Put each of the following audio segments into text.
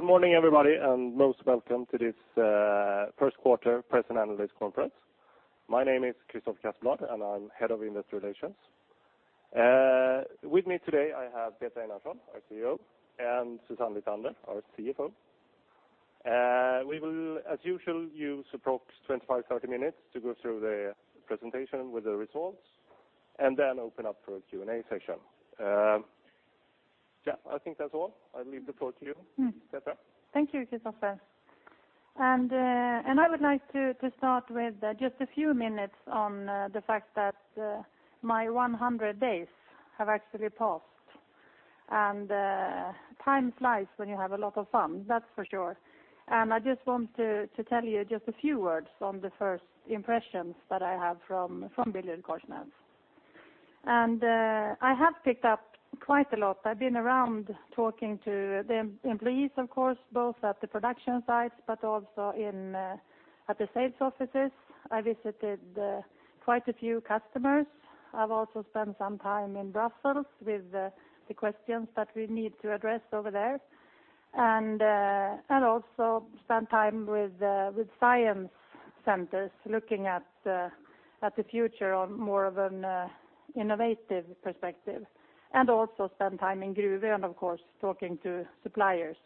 Good morning, everybody, and most welcome to this first quarter press and analyst conference. My name is Christopher Casselblad, and I am head of industry relations. With me today I have Petra Einarsson, our CEO, and Susanne Lithander, our CFO. We will, as usual, use approx. 25, 30 minutes to go through the presentation with the results, then open up for a Q&A session. I think that is all. I leave the floor to you, Petra. Thank you, Christopher. I would like to start with just a few minutes on the fact that my 100 days have actually passed, time flies when you have a lot of fun, that is for sure. I just want to tell you just a few words on the first impressions that I have from BillerudKorsnäs. I have picked up quite a lot. I have been around talking to the employees, of course, both at the production sites but also at the sales offices. I visited quite a few customers. I have also spent some time in Brussels with the questions that we need to address over there, also spent time with science centers looking at the future on more of an innovative perspective, also spent time in Gruvön, of course, talking to suppliers.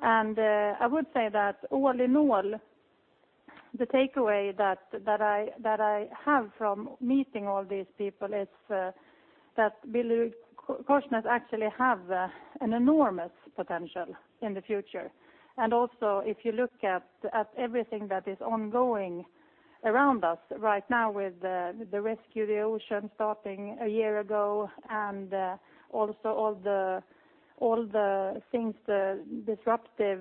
I would say that all in all, the takeaway that I have from meeting all these people is that BillerudKorsnäs actually have an enormous potential in the future. Also if you look at everything that is ongoing around us right now with the Rescue the Ocean starting a year ago all the things, the disruptive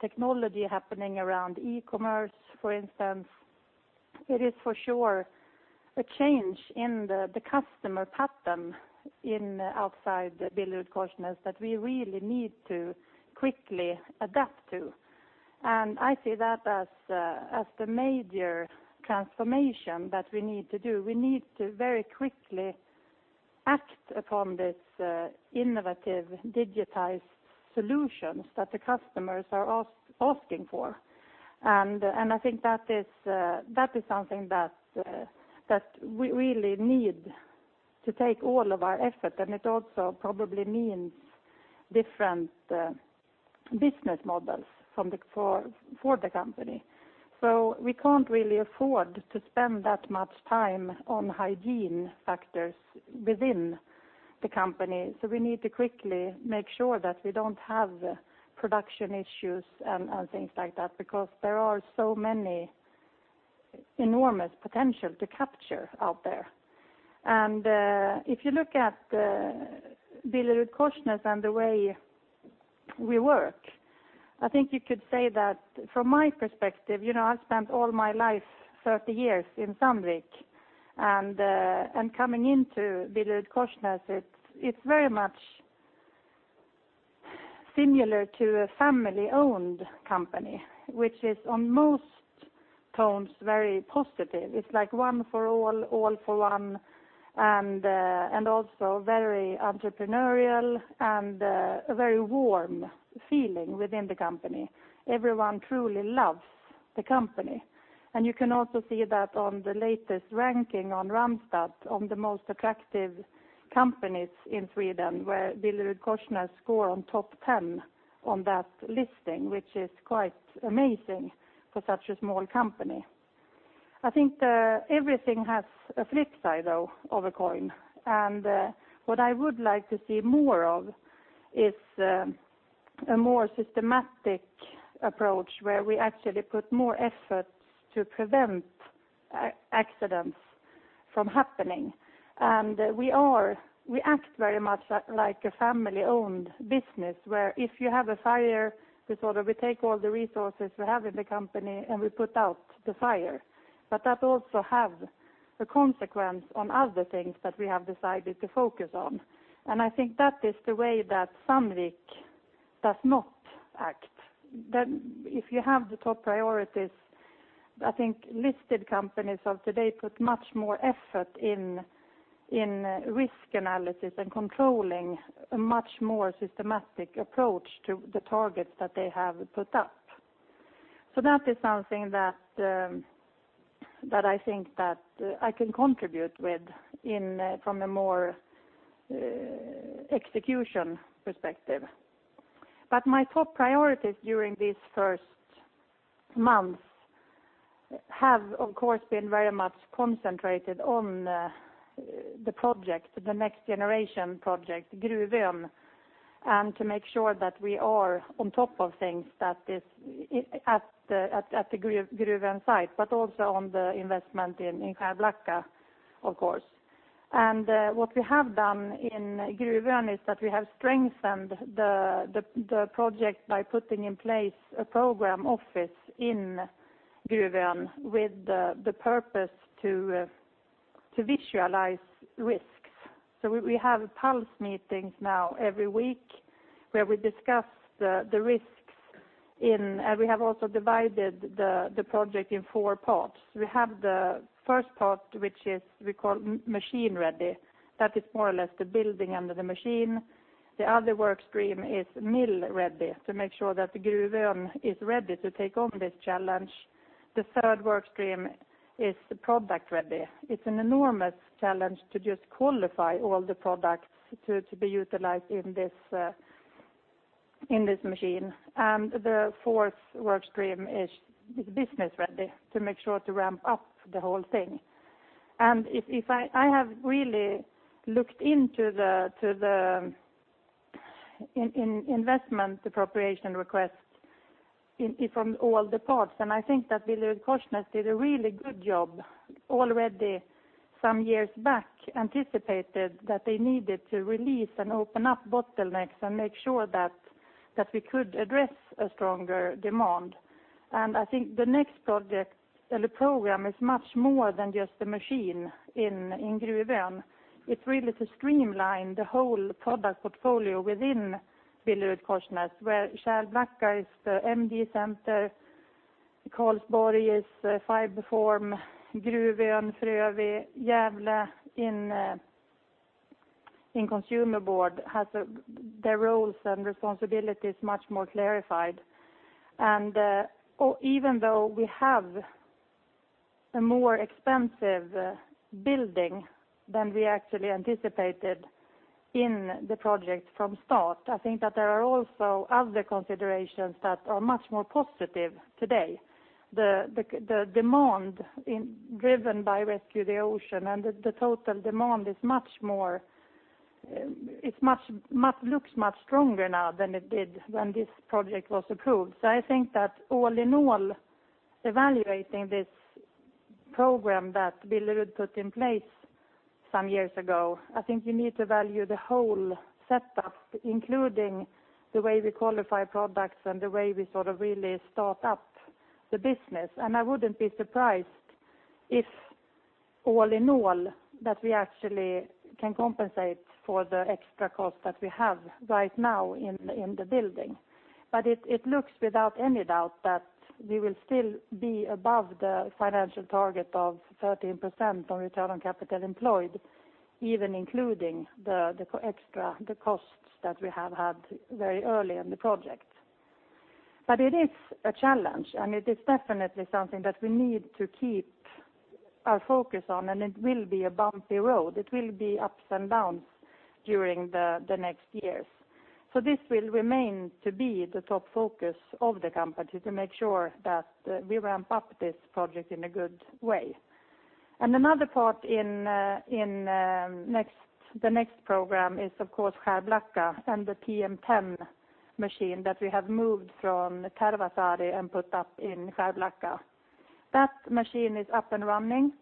technology happening around e-commerce, for instance. It is for sure a change in the customer pattern outside BillerudKorsnäs that we really need to quickly adapt to, I see that as the major transformation that we need to do. We need to very quickly act upon these innovative digitized solutions that the customers are asking for. I think that is something that we really need to take all of our effort, it also probably means different business models for the company. We can't really afford to spend that much time on hygiene factors within the company, we need to quickly make sure that we don't have production issues and things like that because there are so many enormous potential to capture out there. If you look at BillerudKorsnäs and the way we work, I think you could say that from my perspective, I have spent all my life, 30 years, in Sandvik, coming into BillerudKorsnäs, it is very much similar to a family-owned company, which is on most tones very positive. It is like one for all for one, also very entrepreneurial a very warm feeling within the company. Everyone truly loves the company. You can also see that on the latest ranking on Randstad on the most attractive companies in Sweden, where BillerudKorsnäs score on top 10 on that listing, which is quite amazing for such a small company. I think everything has a flip side, though, of a coin, what I would like to see more of is a more systematic approach where we actually put more efforts to prevent accidents from happening. We act very much like a family-owned business, where if you have a fire, we take all the resources we have in the company, and we put out the fire. That also have a consequence on other things that we have decided to focus on. I think that is the way that Sandvik does not act. If you have the top priorities, I think listed companies of today put much more effort in risk analysis and controlling a much more systematic approach to the targets that they have put up. That is something that I think that I can contribute with from a more execution perspective. My top priorities during these first months have, of course, been very much concentrated on the Next Generation project, Gruvön, to make sure that we are on top of things at the Gruvön site, but also on the investment in Skärblacka, of course. What we have done in Gruvön is that we have strengthened the project by putting in place a program office in Gruvön with the purpose to visualize risks. We have pulse meetings now every week where we discuss the risks. We have also divided the project in four parts. We have the first part, which we call machine ready. That is more or less the building under the machine. The other work stream is mill ready, to make sure that Gruvön is ready to take on this challenge. The third work stream is the product ready. It's an enormous challenge to just qualify all the products to be utilized in this machine. The fourth work stream is business ready, to make sure to ramp up the whole thing. I have really looked into the investment appropriation request from all the parts, and I think that BillerudKorsnäs did a really good job already some years back, anticipated that they needed to release and open up bottlenecks and make sure that we could address a stronger demand. I think the Next Generation project, or the program, is much more than just the machine in Gruvön. It's really to streamline the whole product portfolio within BillerudKorsnäs, where Skärblacka is the MD center, Karlsborg is FibreForm, Gruvön, Frövi, Gävle in Consumer Board has their roles and responsibilities much more clarified. Even though we have a more expensive building than we actually anticipated in the project from start, I think that there are also other considerations that are much more positive today. The demand driven by Rescue the Ocean and the total demand looks much stronger now than it did when this project was approved. I think that all in all, evaluating this program that Billerud put in place some years ago, I think we need to value the whole setup, including the way we qualify products and the way we sort of really start up the business. I wouldn't be surprised if all in all, that we actually can compensate for the extra cost that we have right now in the building. It looks without any doubt that we will still be above the financial target of 13% on return on capital employed, even including the extra costs that we have had very early in the project. It is a challenge, and it is definitely something that we need to keep our focus on, and it will be a bumpy road. It will be ups and downs during the next years. This will remain to be the top focus of the company to make sure that we ramp up this project in a good way. Another part in the Next Generation program is, of course, Skärblacka and the PM10 machine that we have moved from Tervasaari and put up in Skärblacka. That machine is up and running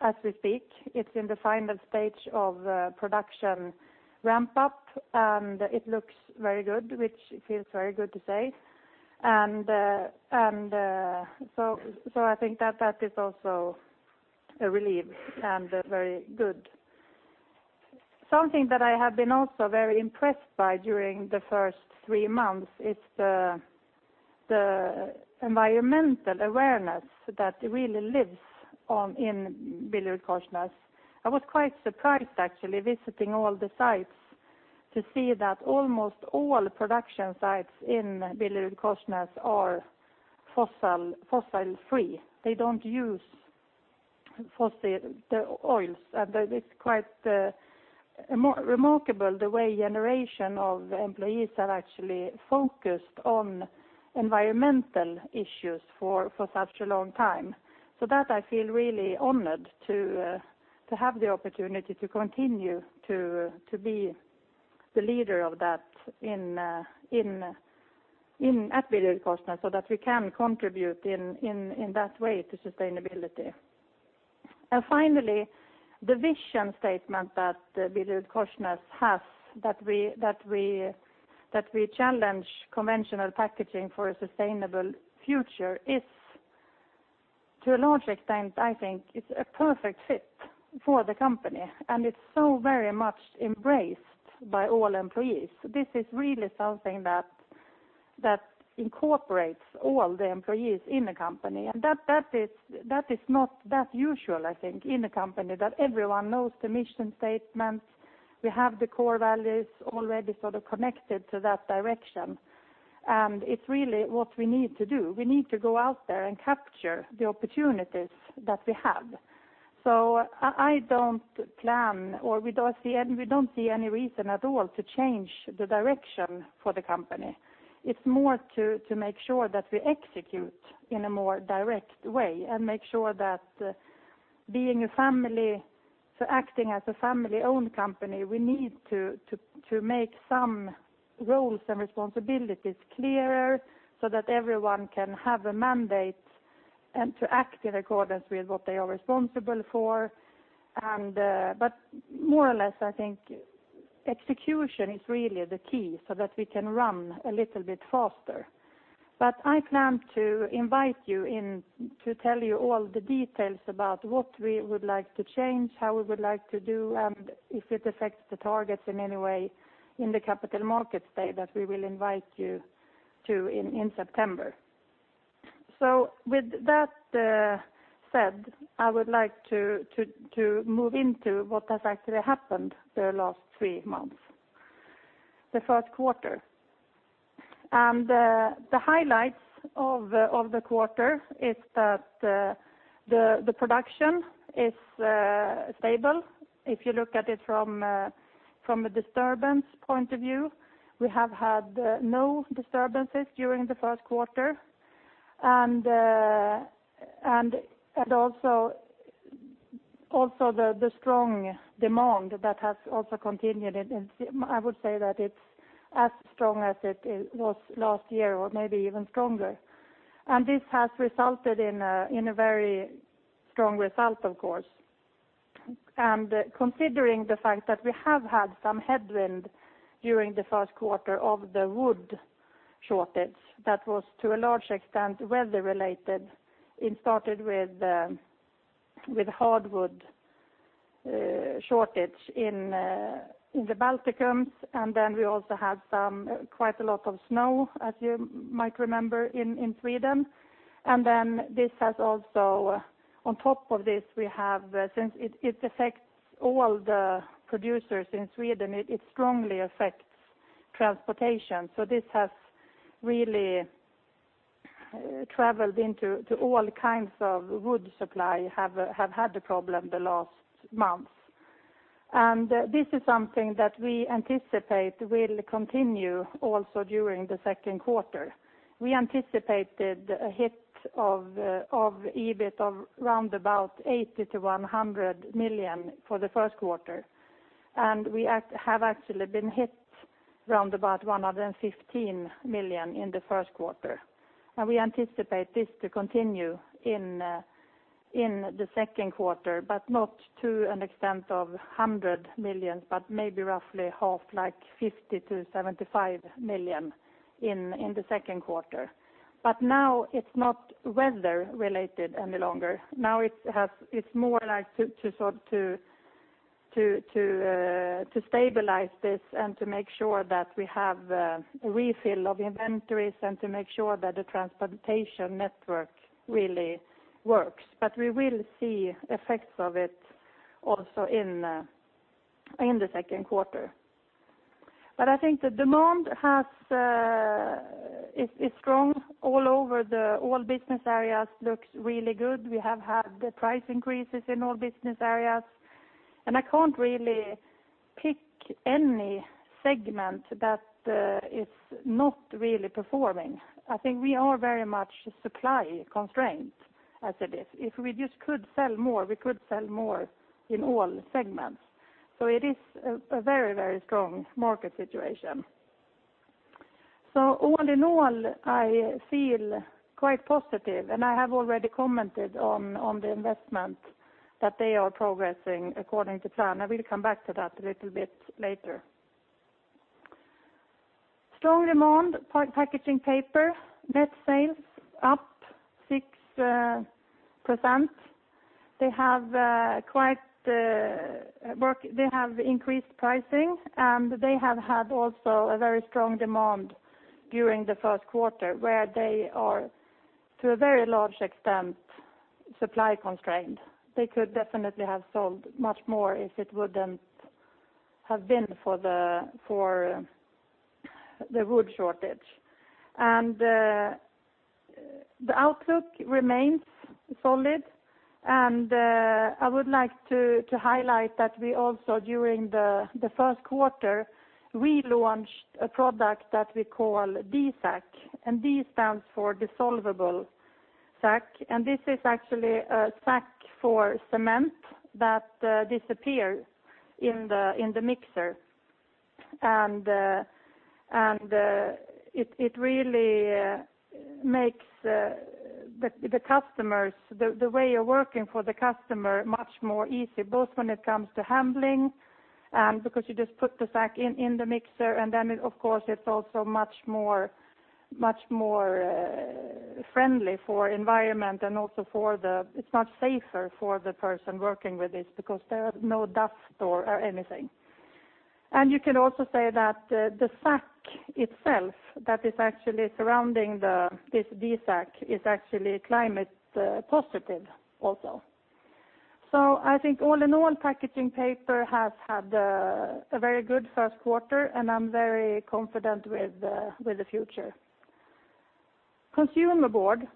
as we speak. It's in the final stage of production ramp up, and it looks very good, which feels very good to say. I think that is also a relief and very good. Something that I have been also very impressed by during the first three months is the environmental awareness that really lives in BillerudKorsnäs. I was quite surprised, actually, visiting all the sites to see that almost all production sites in BillerudKorsnäs are fossil free. They don't use fossil oils. It's quite remarkable the way generation of employees are actually focused on environmental issues for such a long time. That I feel really honored to have the opportunity to continue to be the leader of that at BillerudKorsnäs so that we can contribute in that way to sustainability. Finally, the vision statement that BillerudKorsnäs has, that we challenge conventional packaging for a sustainable future is to a large extent, I think, it's a perfect fit for the company, and it's so very much embraced by all employees. This is really something that incorporates all the employees in the company, and that is not that usual, I think, in a company that everyone knows the mission statement. We have the core values already sort of connected to that direction, and it's really what we need to do. We need to go out there and capture the opportunities that we have. I don't plan or we don't see any reason at all to change the direction for the company. It's more to make sure that we execute in a more direct way and make sure that acting as a family-owned company, we need to make some roles and responsibilities clearer so that everyone can have a mandate and to act in accordance with what they are responsible for. More or less, I think execution is really the key so that we can run a little bit faster. I plan to invite you in to tell you all the details about what we would like to change, how we would like to do, and if it affects the targets in any way in the capital markets day that we will invite you to in September. With that said, I would like to move into what has actually happened the last three months, the first quarter. The highlights of the quarter is that the production is stable. If you look at it from a disturbance point of view, we have had no disturbances during the first quarter, and also the strong demand that has also continued. I would say that it's as strong as it was last year or maybe even stronger. This has resulted in a very strong result, of course. Considering the fact that we have had some headwind during the first quarter of the wood shortage, that was to a large extent weather related. It started with hardwood shortage in the Baltics, and then we also had quite a lot of snow, as you might remember, in Sweden. On top of this, since it affects all the producers in Sweden, it strongly affects transportation. This has really traveled into all kinds of wood supply have had the problem the last month. This is something that we anticipate will continue also during the second quarter. We anticipated a hit of EBIT of round about 80 million-100 million for the first quarter, and we have actually been hit round about 115 million in the first quarter. We anticipate this to continue in the second quarter, but not to an extent of 100 million, but maybe roughly half, like 50 million-75 million in the second quarter. Now it's not weather related any longer. Now it's more like to stabilize this and to make sure that we have a refill of inventories and to make sure that the transportation network really works. We will see effects of it also in the second quarter. I think the demand is strong all over. All business areas looks really good. We have had the price increases in all business areas, and I can't really pick any segment that is not really performing. I think we are very much supply constrained as it is. If we just could sell more, we could sell more in all segments. It is a very strong market situation. All in all, I feel quite positive, and I have already commented on the investment that they are progressing according to plan. I will come back to that a little bit later. Strong demand for Packaging Paper. Net sales up 6%. They have increased pricing, and they have had also a very strong demand during the first quarter, where they are, to a very large extent, supply constrained. They could definitely have sold much more if it wouldn't have been for the wood shortage. The outlook remains solid, and I would like to highlight that we also, during the first quarter, relaunched a product that we call D-Sack, and D stands for dissolvable sack, and this is actually a sack for cement that disappears in the mixer. It really makes the way of working for the customer much more easy, both when it comes to handling, because you just put the sack in the mixer, and then, of course, it's also much more friendly for environment and also it's much safer for the person working with this because there are no dust or anything. You can also say that the sack itself that is actually surrounding this D-Sack is actually climate positive also. I think all in all, Packaging Paper has had a very good first quarter, and I'm very confident with the future. Consumer Board.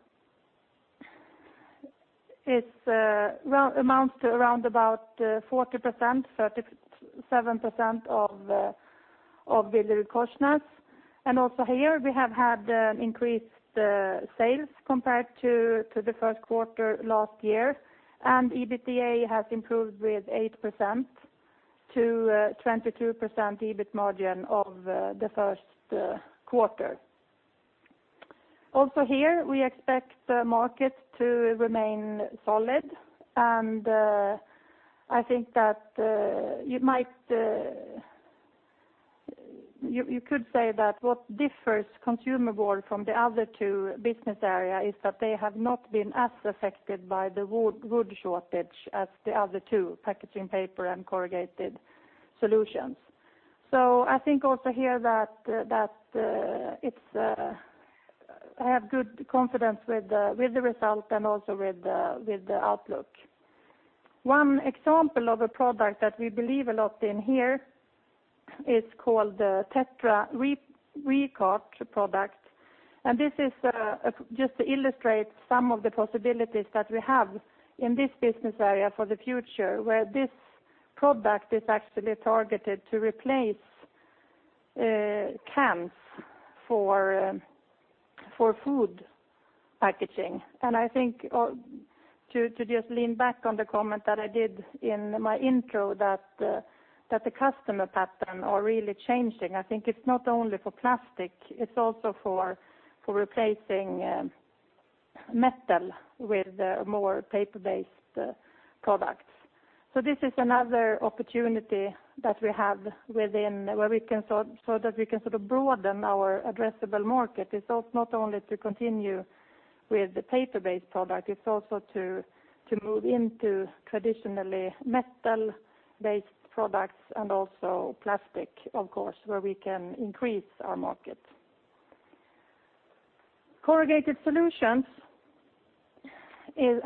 It amounts to around about 40%, 37% of BillerudKorsnäs. Also here we have had increased sales compared to the first quarter last year, and EBITDA has improved with 8% to 22% EBIT margin of the first quarter. Also here, we expect the market to remain solid, and I think that you could say that what differs Consumer Board from the other two business area is that they have not been as affected by the wood shortage as the other two, Packaging Paper and Corrugated Solutions. I think also here that I have good confidence with the result and also with the outlook. One example of a product that we believe a lot in here is called the Tetra Recart product. This is just to illustrate some of the possibilities that we have in this business area for the future, where this product is actually targeted to replace cans for food packaging. I think to just lean back on the comment that I did in my intro, that the customer pattern are really changing. I think it's not only for plastic, it's also for replacing metal with more paper-based products. This is another opportunity that we have so that we can broaden our addressable market. It's not only to continue with the paper-based product, it's also to move into traditionally metal-based products and also plastic, of course, where we can increase our market. Corrugated Solutions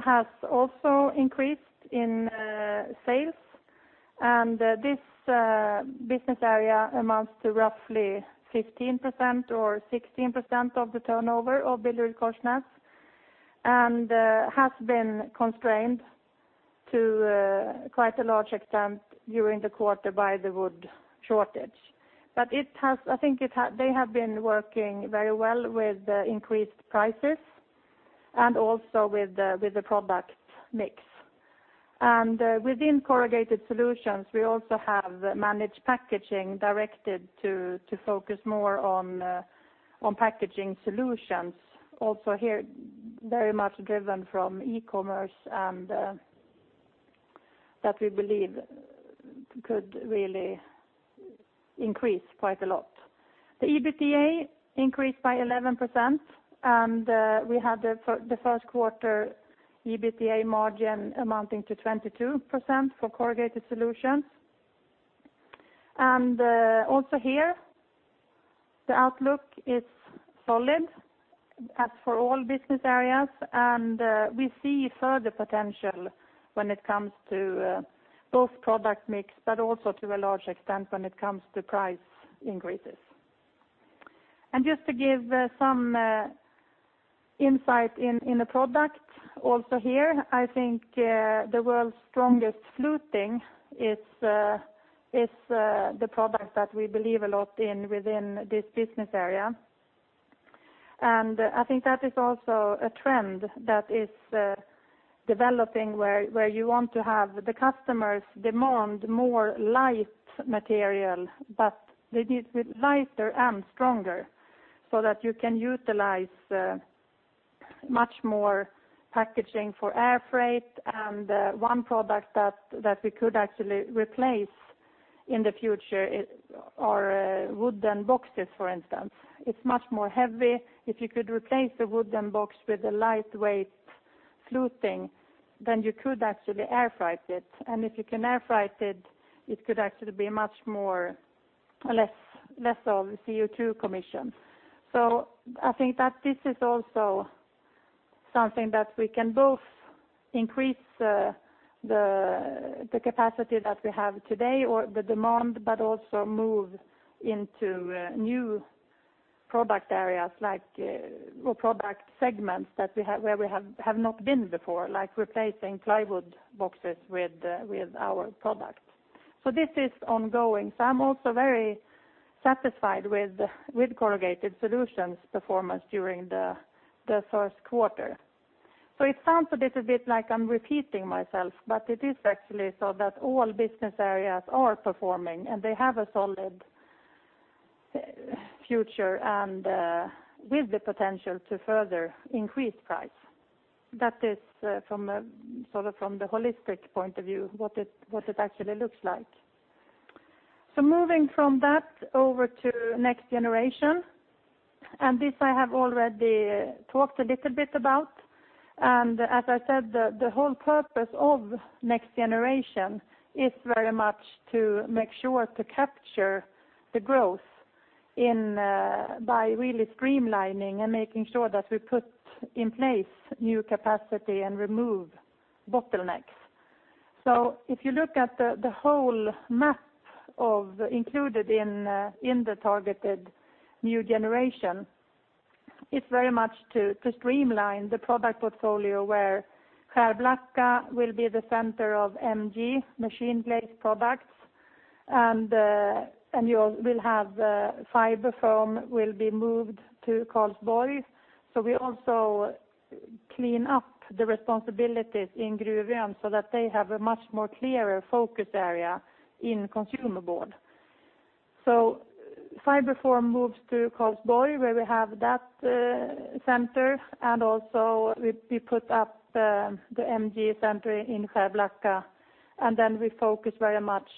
has also increased in sales, and this business area amounts to roughly 15% or 16% of the turnover of BillerudKorsnäs, and has been constrained to quite a large extent during the quarter by the wood shortage. I think they have been working very well with increased prices and also with the product mix. Within Corrugated Solutions, we also have Managed Packaging directed to focus more on packaging solutions. Also here, very much driven from e-commerce, and that we believe could really increase quite a lot. The EBITDA increased by 11%, and we had the first quarter EBITDA margin amounting to 22% for Corrugated Solutions. Also here, the outlook is solid, as for all business areas, and we see further potential when it comes to both product mix, also to a large extent when it comes to price increases. Just to give some insight in a product also here, I think the world's strongest fluting is the product that we believe a lot in within this business area. I think that is also a trend that is developing where you want to have the customers demand more light material, they need it lighter and stronger so that you can utilize much more packaging for air freight. One product that we could actually replace in the future are wooden boxes, for instance. It's much more heavy. If you could replace the wooden box with a lightweight fluting, you could actually air freight it. If you can air freight it could actually be much less of a CO2 emission. I think that this is also something that we can both increase the capacity that we have today or the demand, but also move into new product areas or product segments where we have not been before, like replacing plywood boxes with our product. This is ongoing. I'm also very satisfied with Corrugated Solutions' performance during the first quarter. It sounds a little bit like I'm repeating myself, but it is actually so that all business areas are performing, and they have a solid future and with the potential to further increase price. That is from the holistic point of view, what it actually looks like. Moving from that over to Next Generation, this I have already talked a little bit about. As I said, the whole purpose of Next Generation is very much to make sure to capture the growth by really streamlining and making sure that we put in place new capacity and remove bottlenecks. If you look at the whole map included in the targeted Next Generation, it's very much to streamline the product portfolio where Skärblacka will be the center of MG, machine glazed products, and FiberForm will be moved to Karlsborg. We also clean up the responsibilities in Gruvön so that they have a much more clearer focus area in Consumer Board. FiberForm moves to Karlsborg, where we have that center, and also we put up the MG center in Skärblacka, and then we focus very much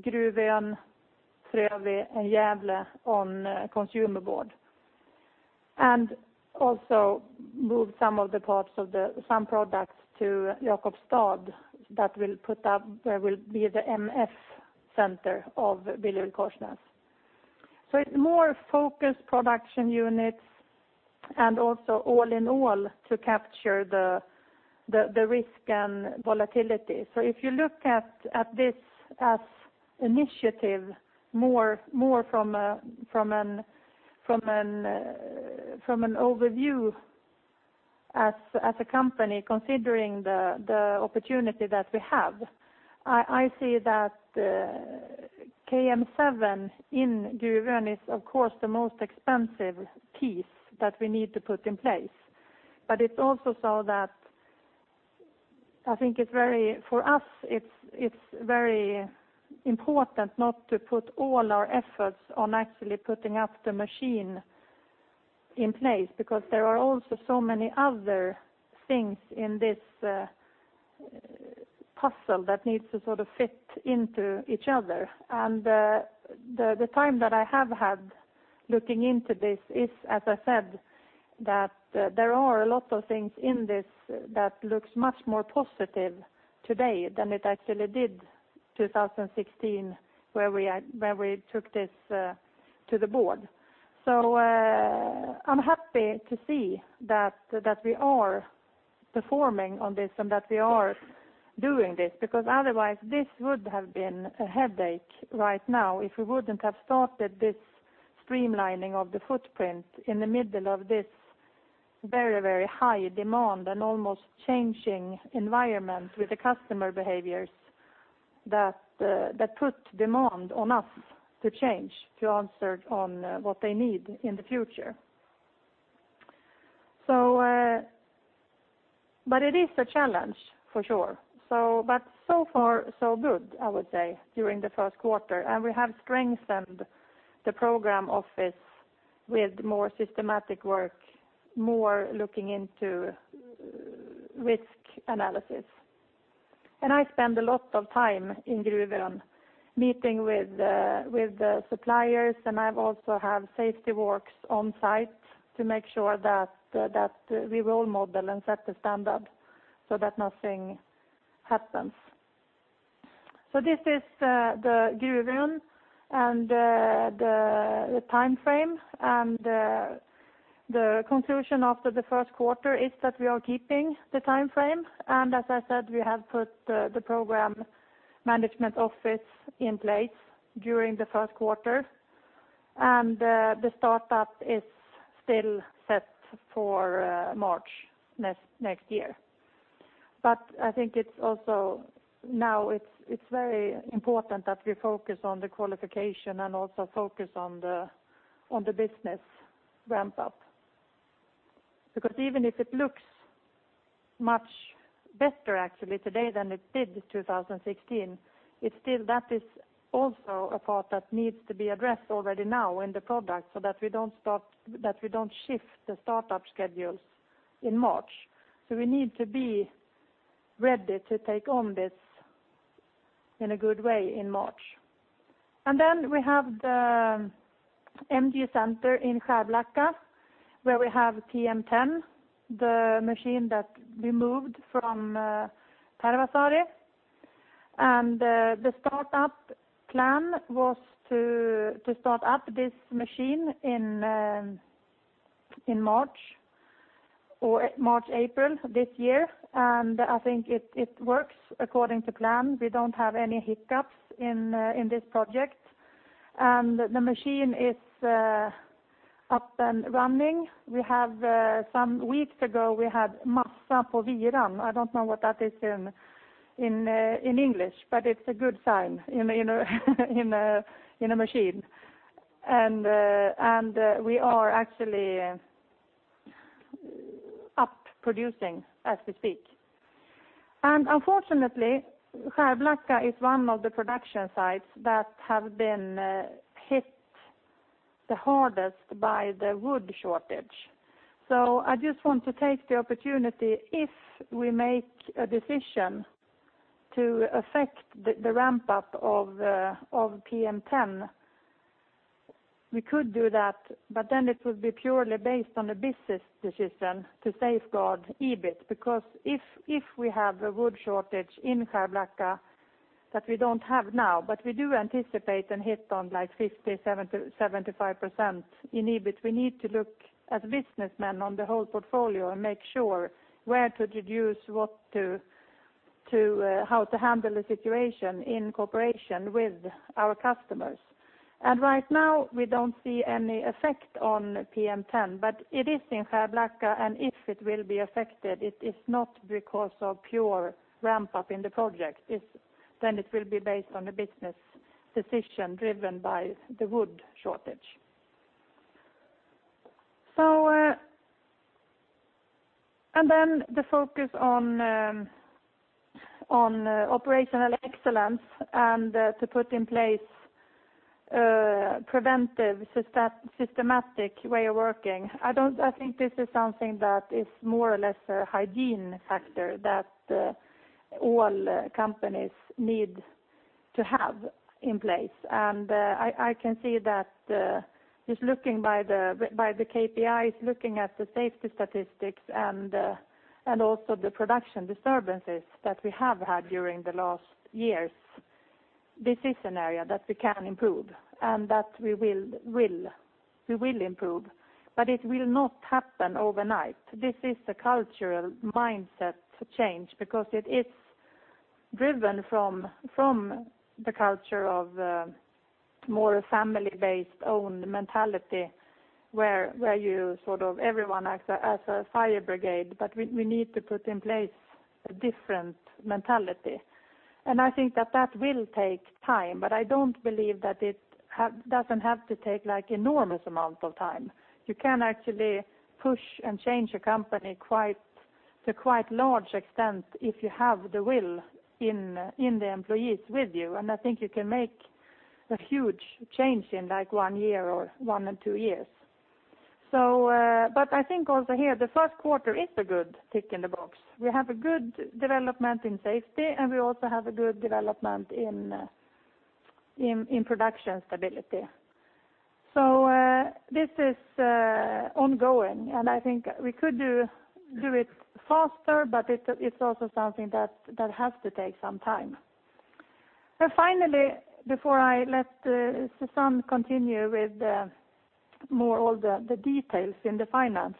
Gruvön, Frövi, and Gävle on Consumer Board. Also move some products to Jakobstad that will put up what will be the MF center of BillerudKorsnäs. It's more focused production units and also all in all to capture the risk and volatility. If you look at this as initiative, more from an overview as a company, considering the opportunity that we have, I see that KM7 in Gruvön is, of course, the most expensive piece that we need to put in place. It's also so that I think for us, it's very important not to put all our efforts on actually putting up the machine in place, because there are also so many other things in this puzzle that need to sort of fit into each other. The time that I have had looking into this is, as I said, that there are a lot of things in this that looks much more positive today than it actually did 2016, where we took this to the board. I'm happy to see that we are performing on this and that we are doing this, because otherwise this would have been a headache right now if we wouldn't have started this streamlining of the footprint in the middle of this very, very high demand and almost changing environment with the customer behaviors that put demand on us to change, to answer on what they need in the future. It is a challenge for sure. So far, so good, I would say, during the first quarter, and we have strengthened the program office with more systematic work, more looking into risk analysis. I spend a lot of time in Gruvön meeting with the suppliers, and I also have safety walks on site to make sure that we role model and set the standard so that nothing happens. This is the Gruvön and the timeframe, the conclusion after the first quarter is that we are keeping the timeframe. As I said, we have put the program management office in place during the first quarter, and the startup is still set for March next year. I think now it's very important that we focus on the qualification and also focus on the business ramp-up. Because even if it looks much better actually today than it did 2016, that is also a part that needs to be addressed already now in the product, so that we don't shift the startup schedules in March. We need to be ready to take on this in a good way in March. Then we have the MG center in Skärblacka, where we have PM10, the machine that we moved from Tervasaari. The startup plan was to start up this machine in March or March, April this year, I think it works according to plan. We don't have any hiccups in this project. The machine is up and running. Some weeks ago we had I don't know what that is in English, but it's a good sign in a machine. We are actually up producing as we speak. Unfortunately, Skärblacka is one of the production sites that have been hit the hardest by the wood shortage. I just want to take the opportunity, if we make a decision to affect the ramp-up of PM10, we could do that, but then it would be purely based on a business decision to safeguard EBIT, because if we have a wood shortage in Skärblacka that we don't have now, but we do anticipate a hit on 50%, 75% in EBIT, we need to look as businessmen on the whole portfolio and make sure where to reduce, how to handle the situation in cooperation with our customers. Right now we don't see any effect on PM10, but it is in Skärblacka, and if it will be affected, it is not because of pure ramp-up in the project. It will be based on a business decision driven by the wood shortage. Then the focus on operational excellence and to put in place preventive, systematic way of working. I think this is something that is more or less a hygiene factor that all companies need to have in place. I can see that just looking by the KPIs, looking at the safety statistics and also the production disturbances that we have had during the last years, this is an area that we can improve and that we will improve, but it will not happen overnight. This is the cultural mindset change, because it is driven from the culture of more family-based owned mentality, where everyone acts as a fire brigade. We need to put in place a different mentality. I think that will take time, but I don't believe that it doesn't have to take enormous amount of time. You can actually push and change a company to quite large extent if you have the will in the employees with you, I think you can make a huge change in one year or one and two years. I think also here, the first quarter is a good tick in the box. We have a good development in safety, and we also have a good development in production stability. This is ongoing, and I think we could do it faster, but it's also something that has to take some time. Finally, before I let Susanne continue with more all the details in the finance,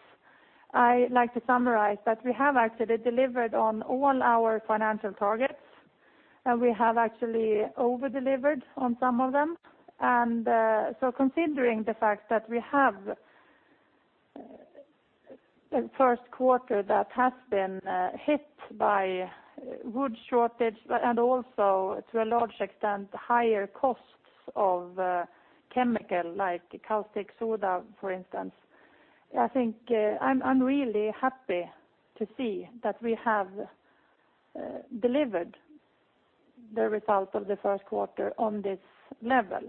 I like to summarize that we have actually delivered on all our financial targets, and we have actually over-delivered on some of them. Considering the fact that we have a first quarter that has been hit by wood shortage and also to a large extent, higher costs of chemical, like caustic soda, for instance, I'm really happy to see that we have delivered the result of the first quarter on this level.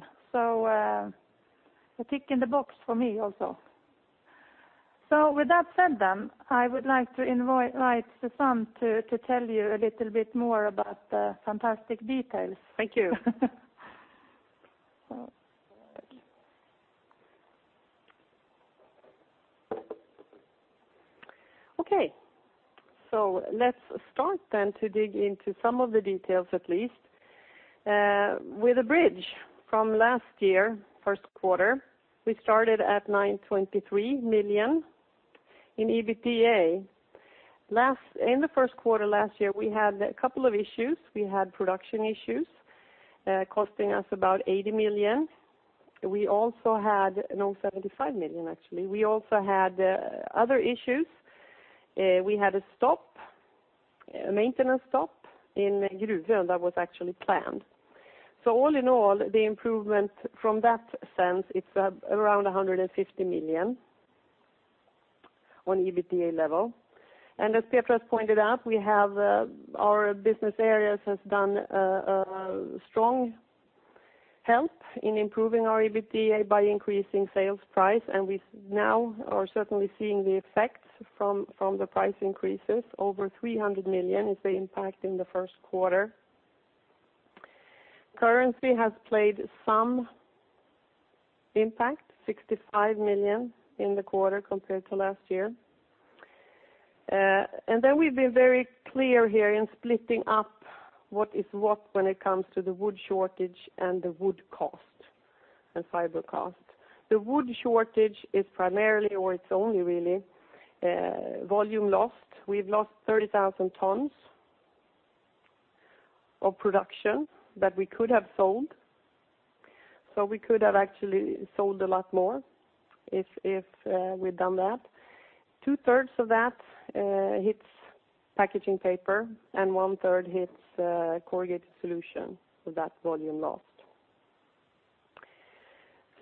A tick in the box for me also. With that said then, I would like to invite Susanne to tell you a little bit more about the fantastic details. Thank you. Okay. Let's start then to dig into some of the details at least, with a bridge from last year, first quarter. We started at 923 million in EBITDA. In the first quarter last year, we had a couple of issues. We had production issues, costing us about 80 million. No, 75 million, actually. We also had other issues. We had a maintenance stop in Gruvön that was actually planned. All in all, the improvement from that sense, it's around 150 million on EBITDA level. As Petra has pointed out, our business areas has done a strong help in improving our EBITDA by increasing sales price, and we now are certainly seeing the effects from the price increases. Over 300 million is the impact in the first quarter. Currency has played some impact, 65 million in the quarter compared to last year. Then we've been very clear here in splitting up what is what when it comes to the wood shortage and the wood cost and fiber cost. The wood shortage is primarily, or it's only really, volume lost. We've lost 30,000 tons of production that we could have sold. We could have actually sold a lot more if we'd done that. Two-thirds of that hits Packaging Paper and one-third hits Corrugated Solutions of that volume lost.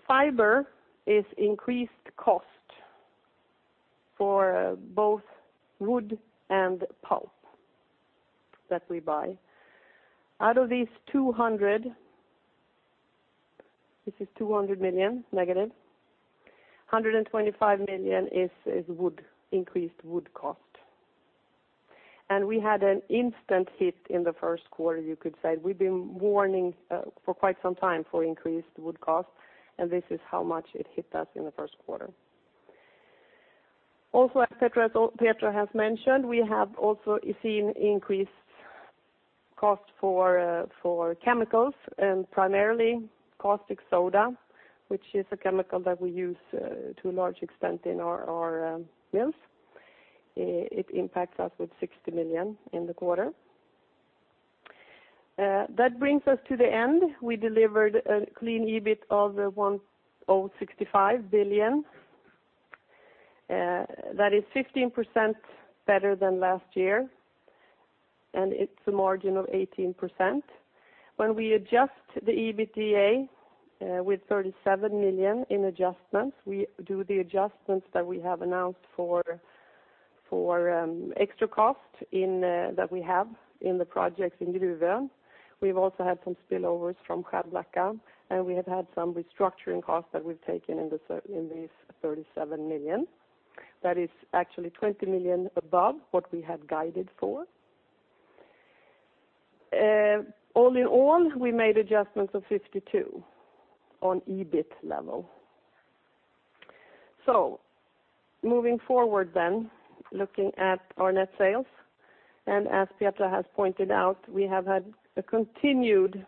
Fiber is increased cost for both wood and pulp that we buy. Out of these 200, this is 200 million negative, 125 million is increased wood cost. We had an instant hit in the first quarter, you could say. We've been warning for quite some time for increased wood cost, and this is how much it hit us in the first quarter. As Petra has mentioned, we have also seen increased cost for chemicals and primarily caustic soda, which is a chemical that we use to a large extent in our mills. It impacts us with 60 million in the quarter. That brings us to the end. We delivered a clean EBIT of 1065 million. That is 15% better than last year, and it's a margin of 18%. When we adjust the EBITDA with 37 million in adjustments, we do the adjustments that we have announced for extra cost that we have in the projects in Gruvön. We've also had some spillovers from Skärblacka, and we've had some restructuring costs that we've taken in these 37 million. That is actually 20 million above what we had guided for. All in all, we made adjustments of 52 on EBIT level. Moving forward, looking at our net sales, as Petra has pointed out, we have had a continued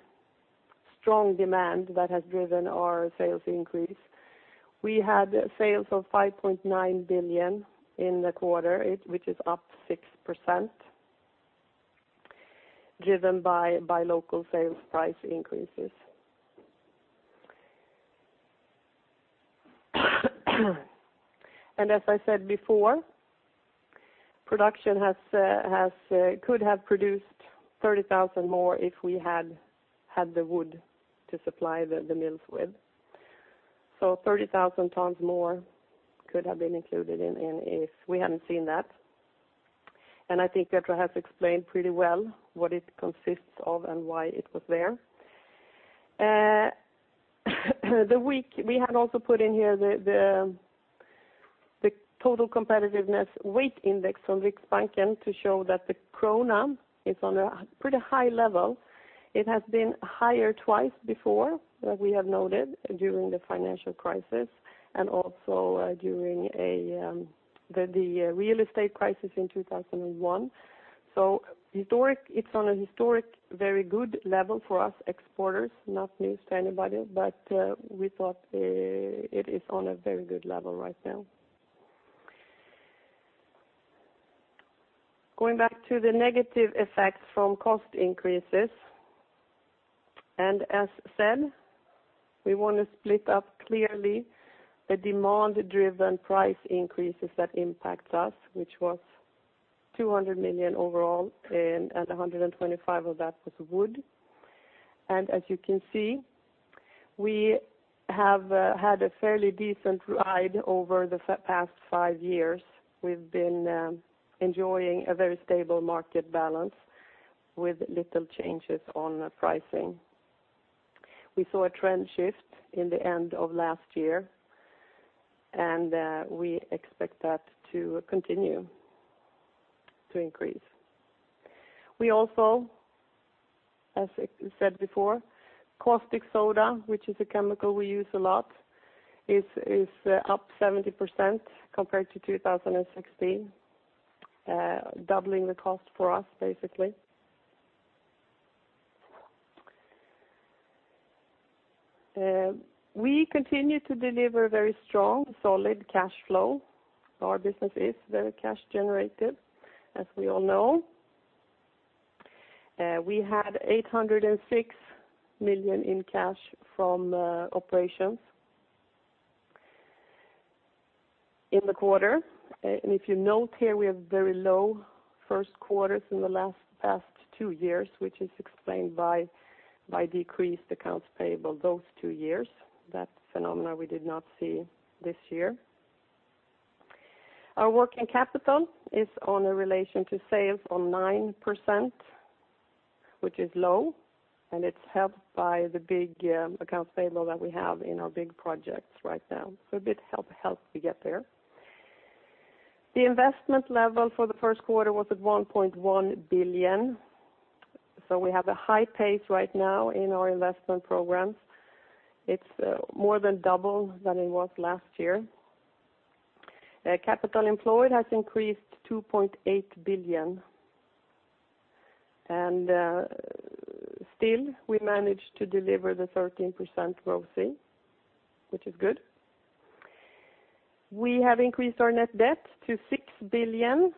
strong demand that has driven our sales increase. We had sales of 5.9 billion in the quarter, which is up 6%, driven by local sales price increases. As I said before, could have produced 30,000 more if we had the wood to supply the mills with. 30,000 tons more could have been included if we hadn't seen that. I think Petra has explained pretty well what it consists of and why it was there. We had also put in here the total competitiveness weight index from Riksbanken to show that the krona is on a pretty high level. It has been higher twice before, as we have noted during the financial crisis and also during the real estate crisis in 2001. It's on a historic, very good level for us exporters, not news to anybody, but we thought it is on a very good level right now. Going back to the negative effects from cost increases, as said, we want to split up clearly the demand-driven price increases that impact us, which was 200 million overall, 125 million of that was wood. As you can see, we've had a fairly decent ride over the past five years. We've been enjoying a very stable market balance with little changes on pricing. We saw a trend shift in the end of last year, and we expect that to continue to increase. We also, as said before, caustic soda, which is a chemical we use a lot, is up 70% compared to 2016, doubling the cost for us, basically. We continue to deliver very strong, solid cash flow. Our business is very cash generative, as we all know. We had 806 million in cash from operations in the quarter. If you note here, we have very low first quarters in the past two years, which is explained by decreased accounts payable those two years. That phenomena we did not see this year. Our working capital is on a relation to sales on 9%, which is low, and it's helped by the big accounts payable that we have in our big projects right now. A bit help we get there. The investment level for the first quarter was at 1.1 billion. We have a high pace right now in our investment programs. It's more than double than it was last year. Capital employed has increased 2.8 billion, still we managed to deliver the 13% growth rate, which is good. We have increased our net debt to 6 billion.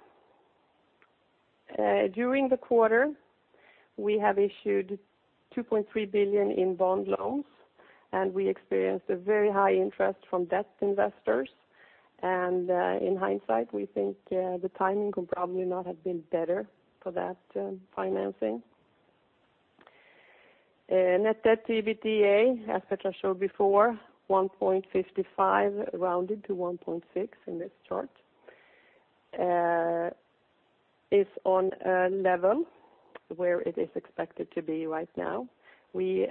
During the quarter, we have issued 2.3 billion in bond loans, and we experienced a very high interest from debt investors. In hindsight, we think the timing could probably not have been better for that financing. Net debt to EBITDA, as Petra showed before, 1.55 rounded to 1.6 in this chart, is on a level where it is expected to be right now. We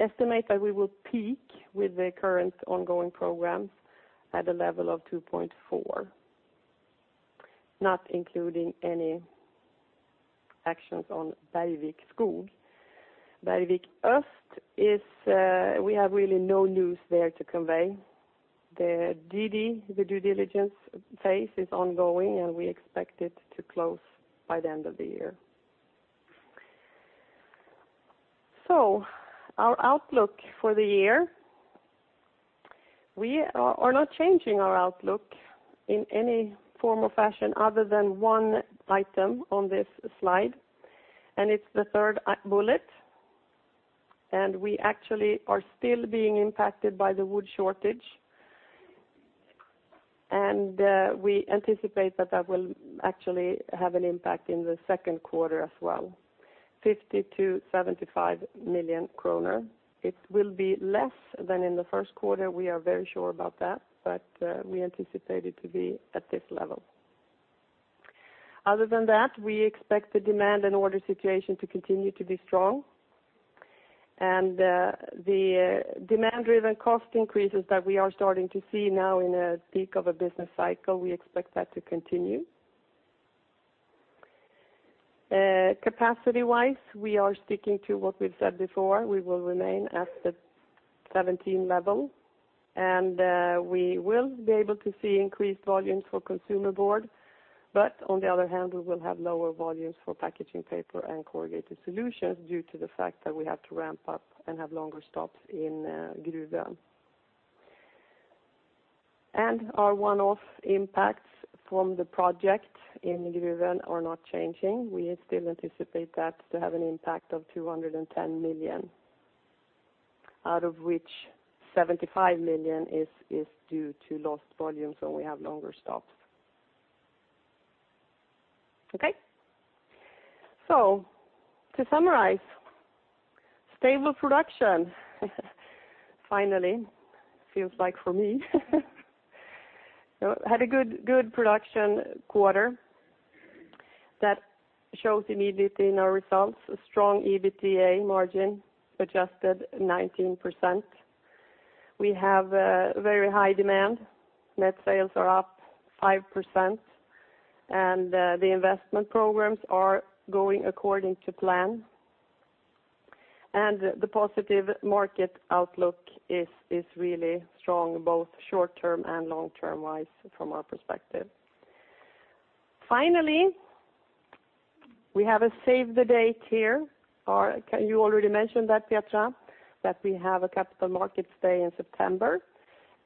estimate that we will peak with the current ongoing programs at a level of 2.4, not including any actions on Bergvik Skog. Bergvik Öst, we have really no news there to convey. The DD, the due diligence phase is ongoing, and we expect it to close by the end of the year. Our outlook for the year. We are not changing our outlook in any form or fashion other than one item on this slide. It's the third bullet, we actually are still being impacted by the wood shortage. We anticipate that that will actually have an impact in the second quarter as well, 50 million-75 million kronor. It will be less than in the first quarter, we are very sure about that, but we anticipate it to be at this level. Other than that, we expect the demand and order situation to continue to be strong. The demand-driven cost increases that we are starting to see now in a peak of a business cycle, we expect that to continue. Capacity-wise, we are sticking to what we've said before. We will remain at the 2017 level, and we will be able to see increased volumes for Consumer Board. On the other hand, we will have lower volumes for Packaging Paper and Corrugated Solutions due to the fact that we have to ramp up and have longer stops in Gruvön. Our one-off impacts from the project in Gruvön are not changing. We still anticipate that to have an impact of 210 million, out of which 75 million is due to lost volumes when we have longer stops. Okay. To summarize, stable production. Finally, feels like for me. Had a good production quarter that shows immediately in our results. A strong EBITDA margin, adjusted 19%. We have a very high demand. Net sales are up 5%, and the investment programs are going according to plan. The positive market outlook is really strong, both short-term and long-term from our perspective. Finally, we have a save the date here. You already mentioned that, Petra, that we have a Capital Markets Day in September,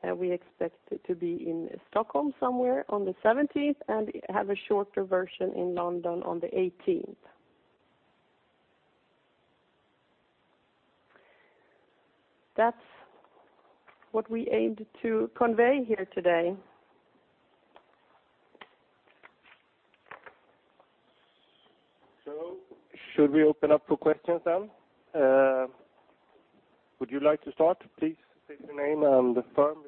and we expect it to be in Stockholm somewhere on the 17th, and have a shorter version in London on the 18th. That's what we aimed to convey here today. Should we open up for questions then? Would you like to start, please state your name and the firm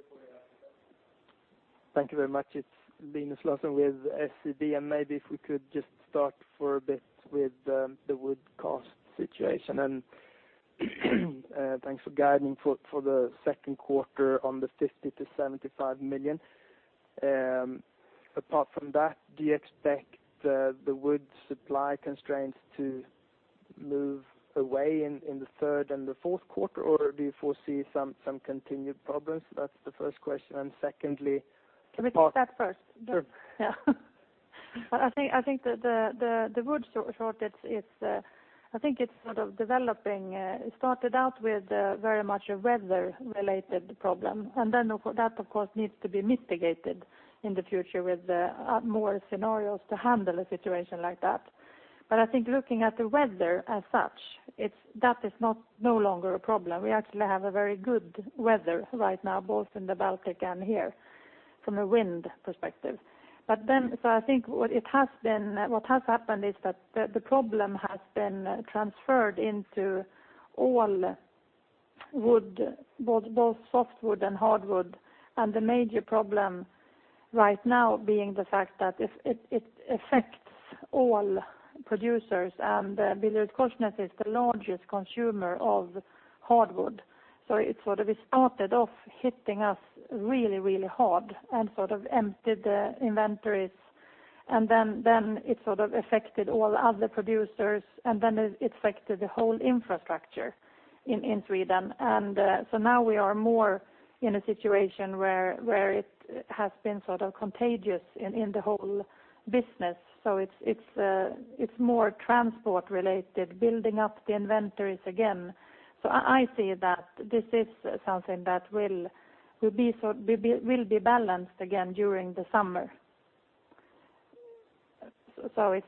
before you ask. Thank you very much. It is Linus Larsson with SEB, maybe if we could just start for a bit with the wood cost situation. Thanks for guiding for the second quarter on the 50 million-75 million. Apart from that, do you expect the wood supply constraints to move away in the third and fourth quarter, or do you foresee some continued problems? That is the first question, secondly- Can we take that first? Sure. I think the wood shortage, it started out with very much a weather-related problem. That, of course, needs to be mitigated in the future with more scenarios to handle a situation like that. I think looking at the weather as such, that is no longer a problem. We actually have a very good weather right now, both in the Baltic and here, from a wind perspective. I think what has happened is that the problem has been transferred into all wood, both softwood and hardwood, the major problem right now being the fact that it affects all producers. BillerudKorsnäs is the largest consumer of hardwood. It started off hitting us really hard and emptied the inventories, then it affected all other producers, then it affected the whole infrastructure in Sweden. Now we are more in a situation where it has been contagious in the whole business. It's more transport related, building up the inventories again. I see that this is something that will be balanced again during the summer.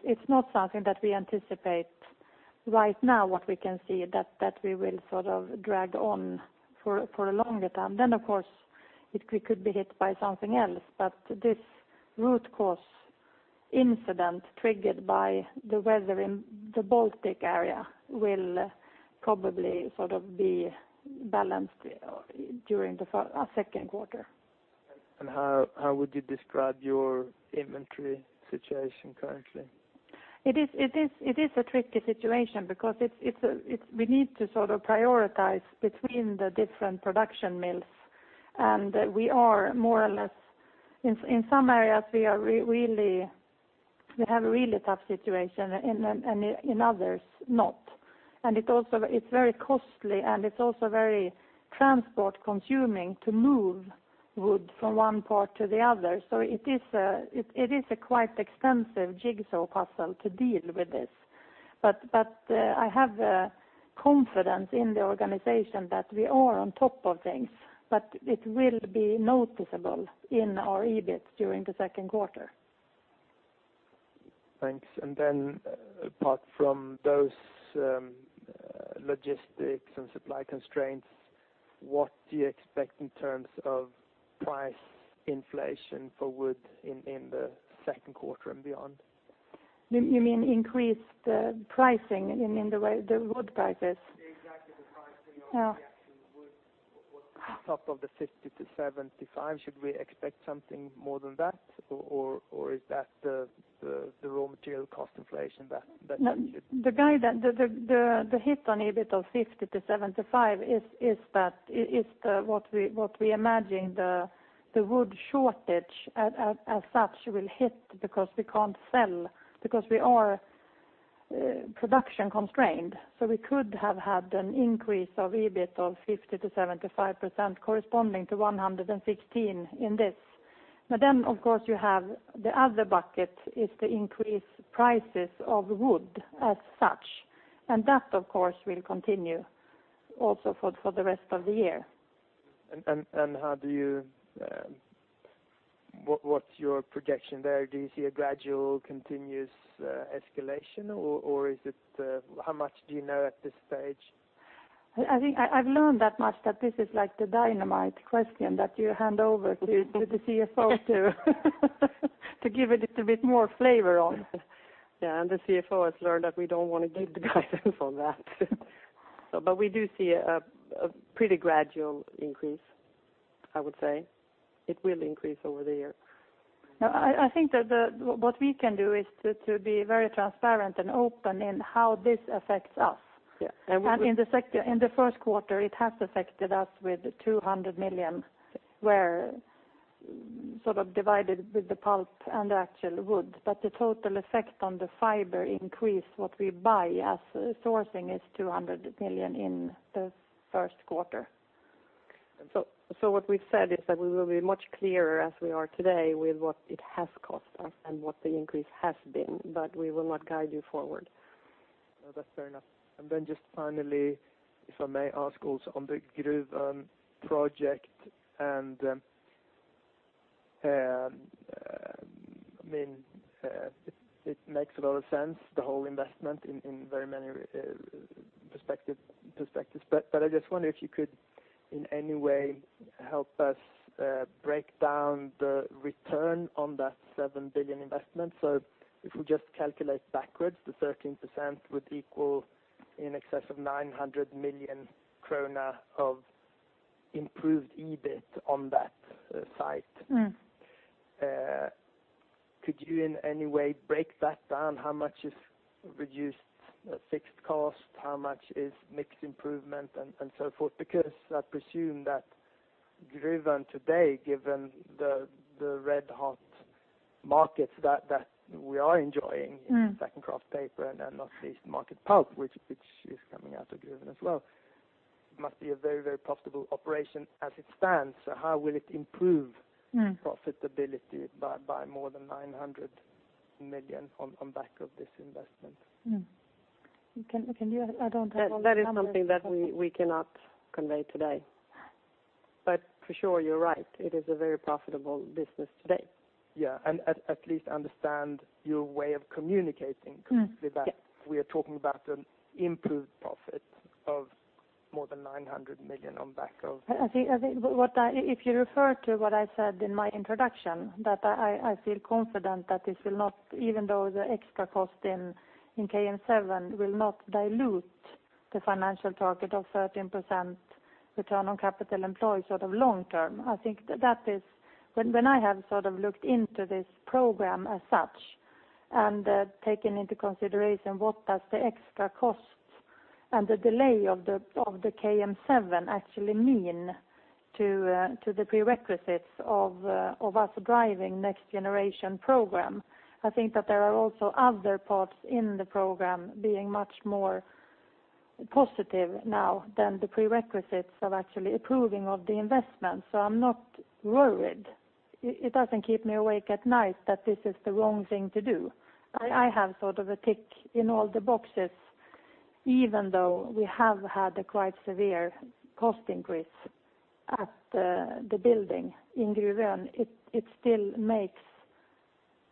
It's not something that we anticipate right now what we can see that we will drag on for a longer time. Of course, we could be hit by something else. This root cause incident triggered by the weather in the Baltic area will probably be balanced during the second quarter. How would you describe your inventory situation currently? It is a tricky situation because we need to prioritize between the different production mills. We are more or less, in some areas we have a really tough situation, in others not. It's very costly, it's also very transport consuming to move wood from one part to the other. It is a quite extensive jigsaw puzzle to deal with this. I have confidence in the organization that we are on top of things, it will be noticeable in our EBIT during the second quarter. Thanks. Apart from those logistics and supply constraints, what do you expect in terms of price inflation for wood in the second quarter and beyond? You mean increased pricing in the wood prices? Exactly, the pricing. Top of the 50 million-75 million. Should we expect something more than that, or is that the raw material cost inflation that you should- The hit on EBIT of SEK 50 million-SEK 75 million is what we imagine the wood shortage as such will hit because we can't sell, because we are production constrained. So we could have had an increase of EBIT of 50%-75% corresponding to 116 million in this. Of course, you have the other bucket, is the increased prices of wood as such. Of course, will continue also for the rest of the year. What's your projection there? Do you see a gradual continuous escalation, or how much do you know at this stage? I've learned that much that this is like the dynamite question that you hand over to the CFO to give a little bit more flavor on. Yeah, the CFO has learned that we don't want to give the guidance on that. We do see a pretty gradual increase, I would say. It will increase over the year. No, I think that what we can do is to be very transparent and open in how this affects us. Yeah. In the first quarter, it has affected us with 200 million, where, sort of divided with the pulp and the actual wood, but the total effect on the fiber increase, what we buy as sourcing is 200 million in the first quarter. what we've said is that we will be much clearer as we are today with what it has cost us and what the increase has been, but we will not guide you forward. No, that's fair enough. Then just finally, if I may ask also on the Gruvön project, and it makes a lot of sense, the whole investment in very many perspectives. I just wonder if you could, in any way, help us break down the return on that 7 billion investment. If we just calculate backwards, the 13% would equal in excess of 900 million krona of improved EBIT on that site. Could you in any way break that down? How much is reduced fixed cost? How much is mixed improvement and so forth? I presume that Gruvön today, given the red hot markets that we are enjoying- in the second kraft paper, and not least market pulp, which is coming out of Gruvön as well, must be a very, very profitable operation as it stands. How will it improve- profitability by more than 900 million on back of this investment? I don't have all the numbers. That is something that we cannot convey today. For sure, you're right. It is a very profitable business today. At least understand your way of communicating completely that- Mm. Yeah we are talking about an improved profit of more than 900 million on back of. If you refer to what I said in my introduction, that I feel confident that even though the extra cost in KM7 will not dilute the financial target of 13% return on capital employed long term. When I have looked into this program as such and taken into consideration what does the extra cost and the delay of the KM7 actually mean to the prerequisites of us driving Next Generation program, I think that there are also other parts in the program being much more positive now than the prerequisites of actually approving of the investment. I'm not worried. It doesn't keep me awake at night that this is the wrong thing to do. I have a tick in all the boxes, even though we have had a quite severe cost increase at the building in Gruvön. It still makes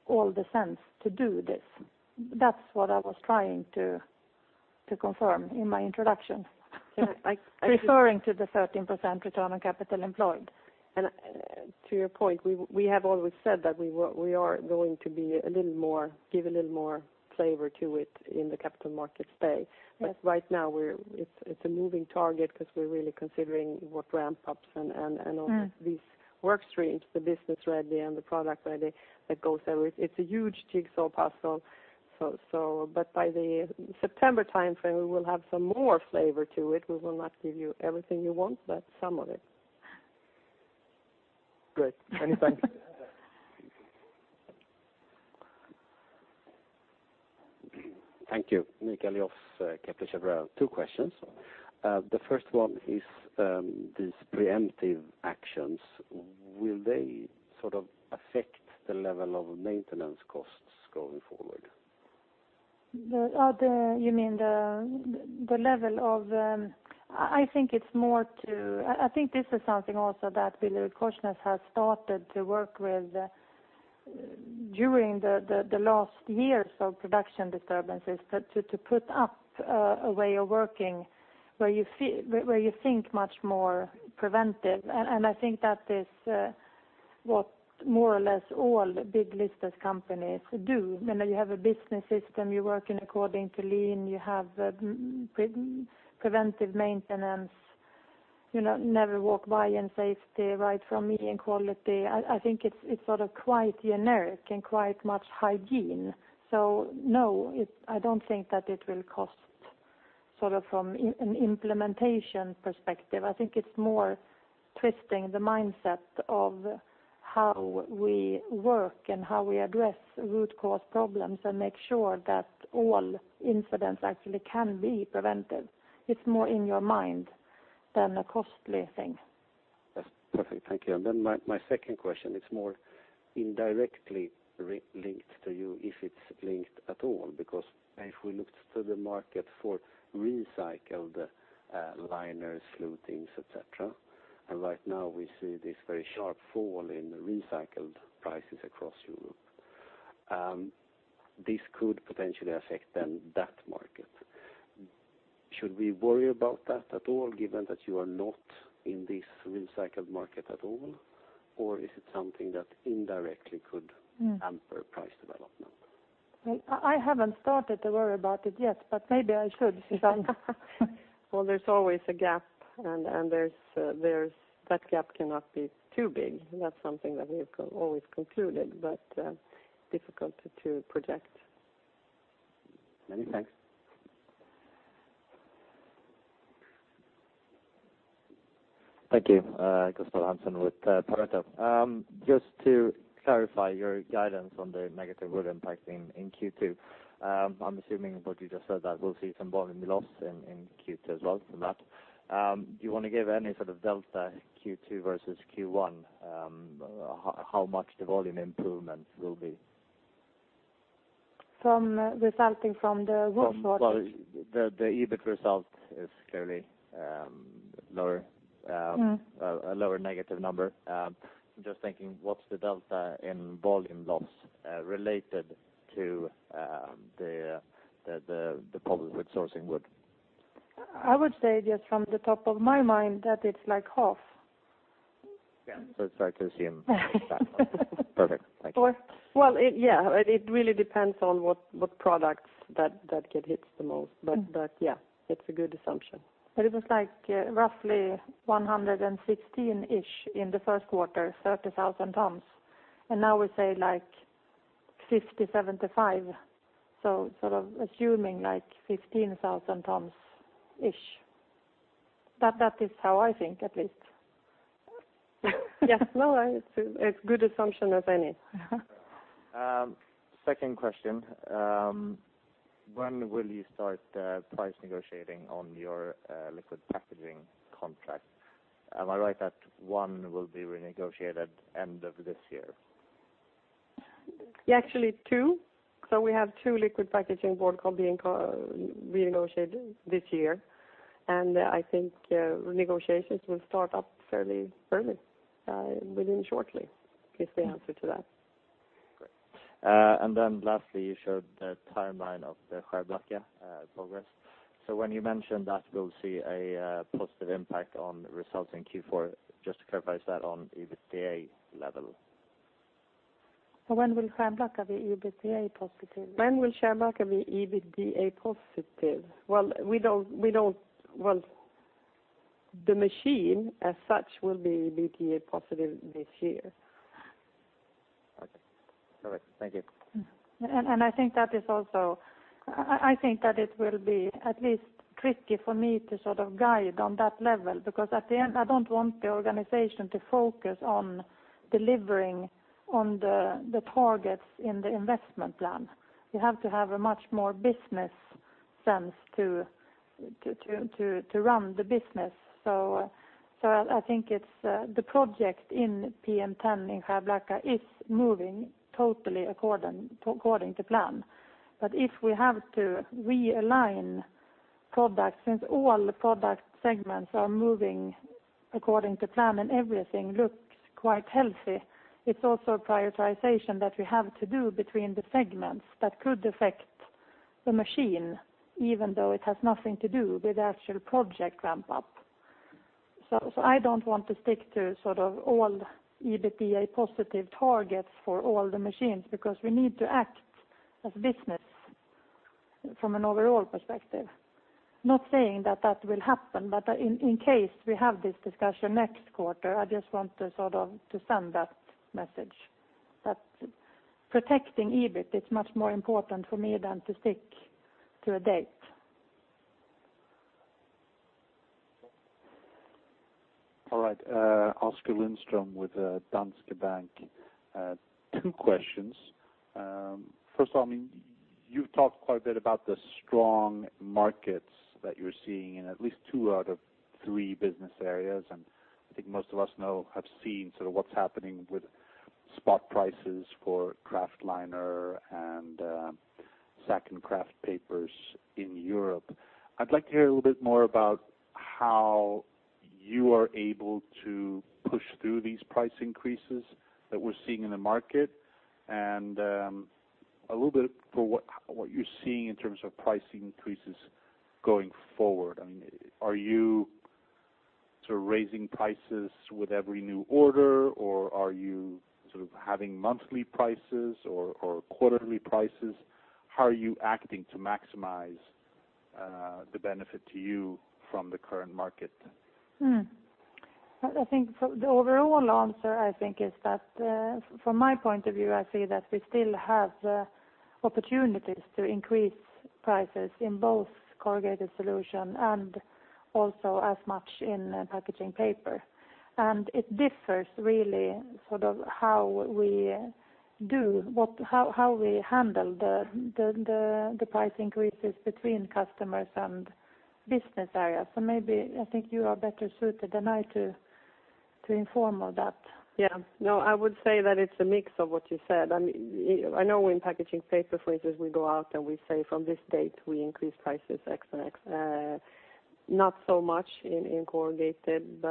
all the sense to do this. That's what I was trying to confirm in my introduction. Yeah. Referring to the 13% return on capital employed. To your point, we have always said that we are going to give a little more flavor to it in the capital markets day. Yes. Right now it's a moving target because we're really considering what ramp-ups and all. These work streams, the business ready and the product ready that goes there. It's a huge jigsaw puzzle. By the September timeframe, we will have some more flavor to it. We will not give you everything you want, but some of it. Great. Many thanks. Thank you. Nick Elios, Kepler Cheuvreux. Two questions. The first one is these preemptive actions. Will they affect the level of maintenance costs going forward? You mean I think this is something also that BillerudKorsnäs has started to work with during the last years of production disturbances, to put up a way of working where you think much more preventive. I think that this is what more or less all big listed companies do. You have a business system, you're working according to Lean, you have preventive maintenance, never walk by and safety right from me and quality. I think it's quite generic and quite much hygiene. No, I don't think that it will cost from an implementation perspective. I think it's more twisting the mindset of how we work and how we address root cause problems and make sure that all incidents actually can be prevented. It's more in your mind than a costly thing. Yes, perfect. Thank you. My second question is more indirectly linked to you, if it's linked at all, because if we look to the market for recycled liners, flutings, et cetera. Right now we see this very sharp fall in recycled prices across Europe. This could potentially affect then that market. Should we worry about that at all, given that you are not in this recycled market at all? Or is it something that indirectly could hamper price development? I haven't started to worry about it yet, but maybe I should, Susanne. Well, there's always a gap and that gap cannot be too big. That's something that we've always concluded, but difficult to project. Many thanks. Thank you. Gustaf Tegell with Pareto. Just to clarify your guidance on the negative wood impact in Q2. I'm assuming what you just said, that we'll see some volume loss in Q2 as well from that. Do you want to give any sort of delta Q2 versus Q1, how much the volume improvement will be? Resulting from the wood shortage? Well, the EBIT result is clearly a lower negative number. I'm just thinking, what's the delta in volume loss, related to the problem with sourcing wood? I would say just from the top of my mind that it's like half. Yeah. Start to assume that. Perfect. Thank you. Well, yeah, it really depends on what products that get hit the most, but yeah, it's a good assumption. It was roughly 116-ish in the first quarter, 30,000 tons. Now we say 50, 75, so sort of assuming 15,000 tons-ish. That is how I think, at least. Yes. No, it's as good assumption as any. Second question, when will you start price negotiating on your liquid packaging contract? Am I right that one will be renegotiated end of this year? Yeah, actually two. We have two liquid packaging board renegotiated this year. I think negotiations will start up fairly early, within shortly, is the answer to that. Great. Lastly, you showed the timeline of the Skärblacka progress. When you mentioned that we'll see a positive impact on results in Q4, just to clarify, is that on EBITDA level? When will Skärblacka be EBITDA positive? When will Skärblacka be EBITDA positive? Well, the machine as such will be EBITDA positive this year. Okay. All right. Thank you. I think that it will be at least tricky for me to guide on that level, because at the end, I don't want the organization to focus on delivering on the targets in the investment plan. You have to have a much more business sense to run the business. I think the project in PM10 in Skärblacka is moving totally according to plan. If we have to realign products, since all product segments are moving according to plan and everything looks quite healthy, it's also prioritization that we have to do between the segments that could affect the machine, even though it has nothing to do with the actual project ramp up. I don't want to stick to all EBITDA positive targets for all the machines, because we need to act as a business from an overall perspective. Not saying that that will happen, in case we have this discussion next quarter, I just want to send that message. That protecting EBIT is much more important for me than to stick to a date. All right. Oskar Lindström with Danske Bank. Two questions. First of all, you've talked quite a bit about the strong markets that you're seeing in at least two out of three business areas, I think most of us now have seen what's happening with spot prices for kraftliner and sack and kraft papers in Europe. I'd like to hear a little bit more about how you are able to push through these price increases that we're seeing in the market, a little bit for what you're seeing in terms of price increases going forward, are you raising prices with every new order, or are you having monthly prices or quarterly prices? How are you acting to maximize the benefit to you from the current market? The overall answer, I think, is that from my point of view, I see that we still have opportunities to increase prices in both Corrugated Solutions and also as much in Packaging Paper. It differs really how we do, how we handle the price increases between customers and business areas. Maybe I think you are better suited than I to inform of that. Yeah. No, I would say that it's a mix of what you said. I know in Packaging Paper, for instance, we go out and we say, "From this date, we increase prices X and X." Not so much in corrugated, to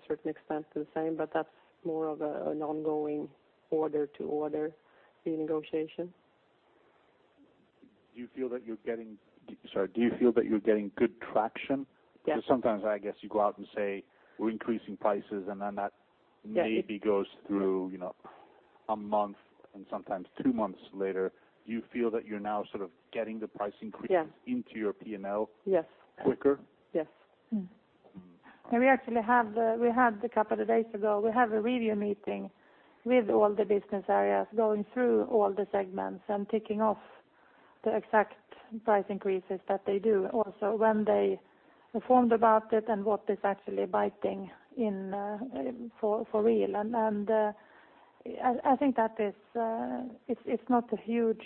a certain extent the same, that's more of an ongoing order-to-order renegotiation. Do you feel that you're getting good traction? Yes. Sometimes, I guess, you go out and say, "We're increasing prices," then that maybe goes through a month and sometimes two months later. Do you feel that you're now getting the price increases into your P&L quicker? Yes. We had a couple of days ago, we have a review meeting with all the business areas, going through all the segments and ticking off the exact price increases that they do. When they informed about it and what is actually biting for real. I think that it is not a huge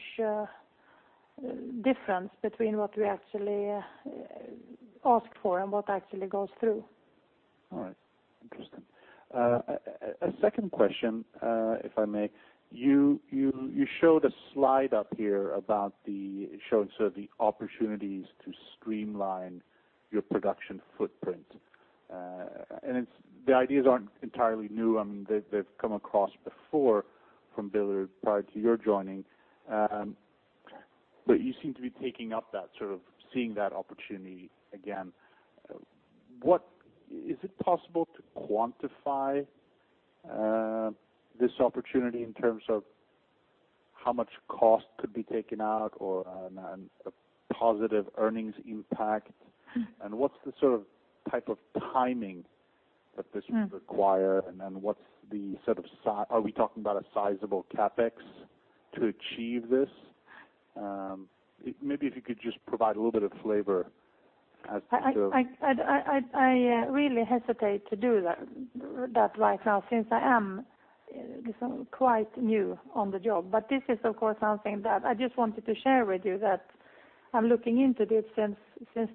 difference between what we actually asked for and what actually goes through. All right. Interesting. A second question, if I may. You showed a slide up here showing the opportunities to streamline your production footprint. The ideas aren't entirely new. They've come across before from Billerud prior to your joining. You seem to be taking up that, seeing that opportunity again. Is it possible to quantify this opportunity in terms of how much cost could be taken out or a positive earnings impact? What is the type of timing that this would require, and are we talking about a sizable CapEx to achieve this? Maybe if you could just provide a little bit of flavor as to- I really hesitate to do that right now since I am quite new on the job. This is, of course, something that I just wanted to share with you that I'm looking into this since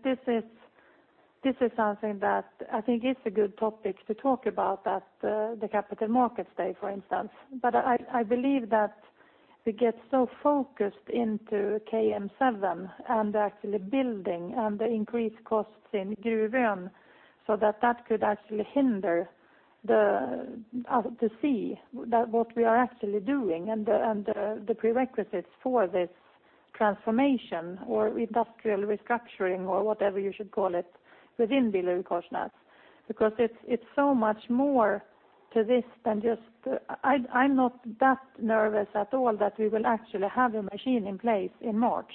this is something that I think is a good topic to talk about at the Capital Markets Day, for instance. I believe that we get so focused into KM7 and actually building and the increased costs in Gruvön, so that that could actually hinder us to see what we are actually doing and the prerequisites for this transformation or industrial restructuring or whatever you should call it within BillerudKorsnäs. It's so much more to this than just. I'm not that nervous at all that we will actually have a machine in place in March.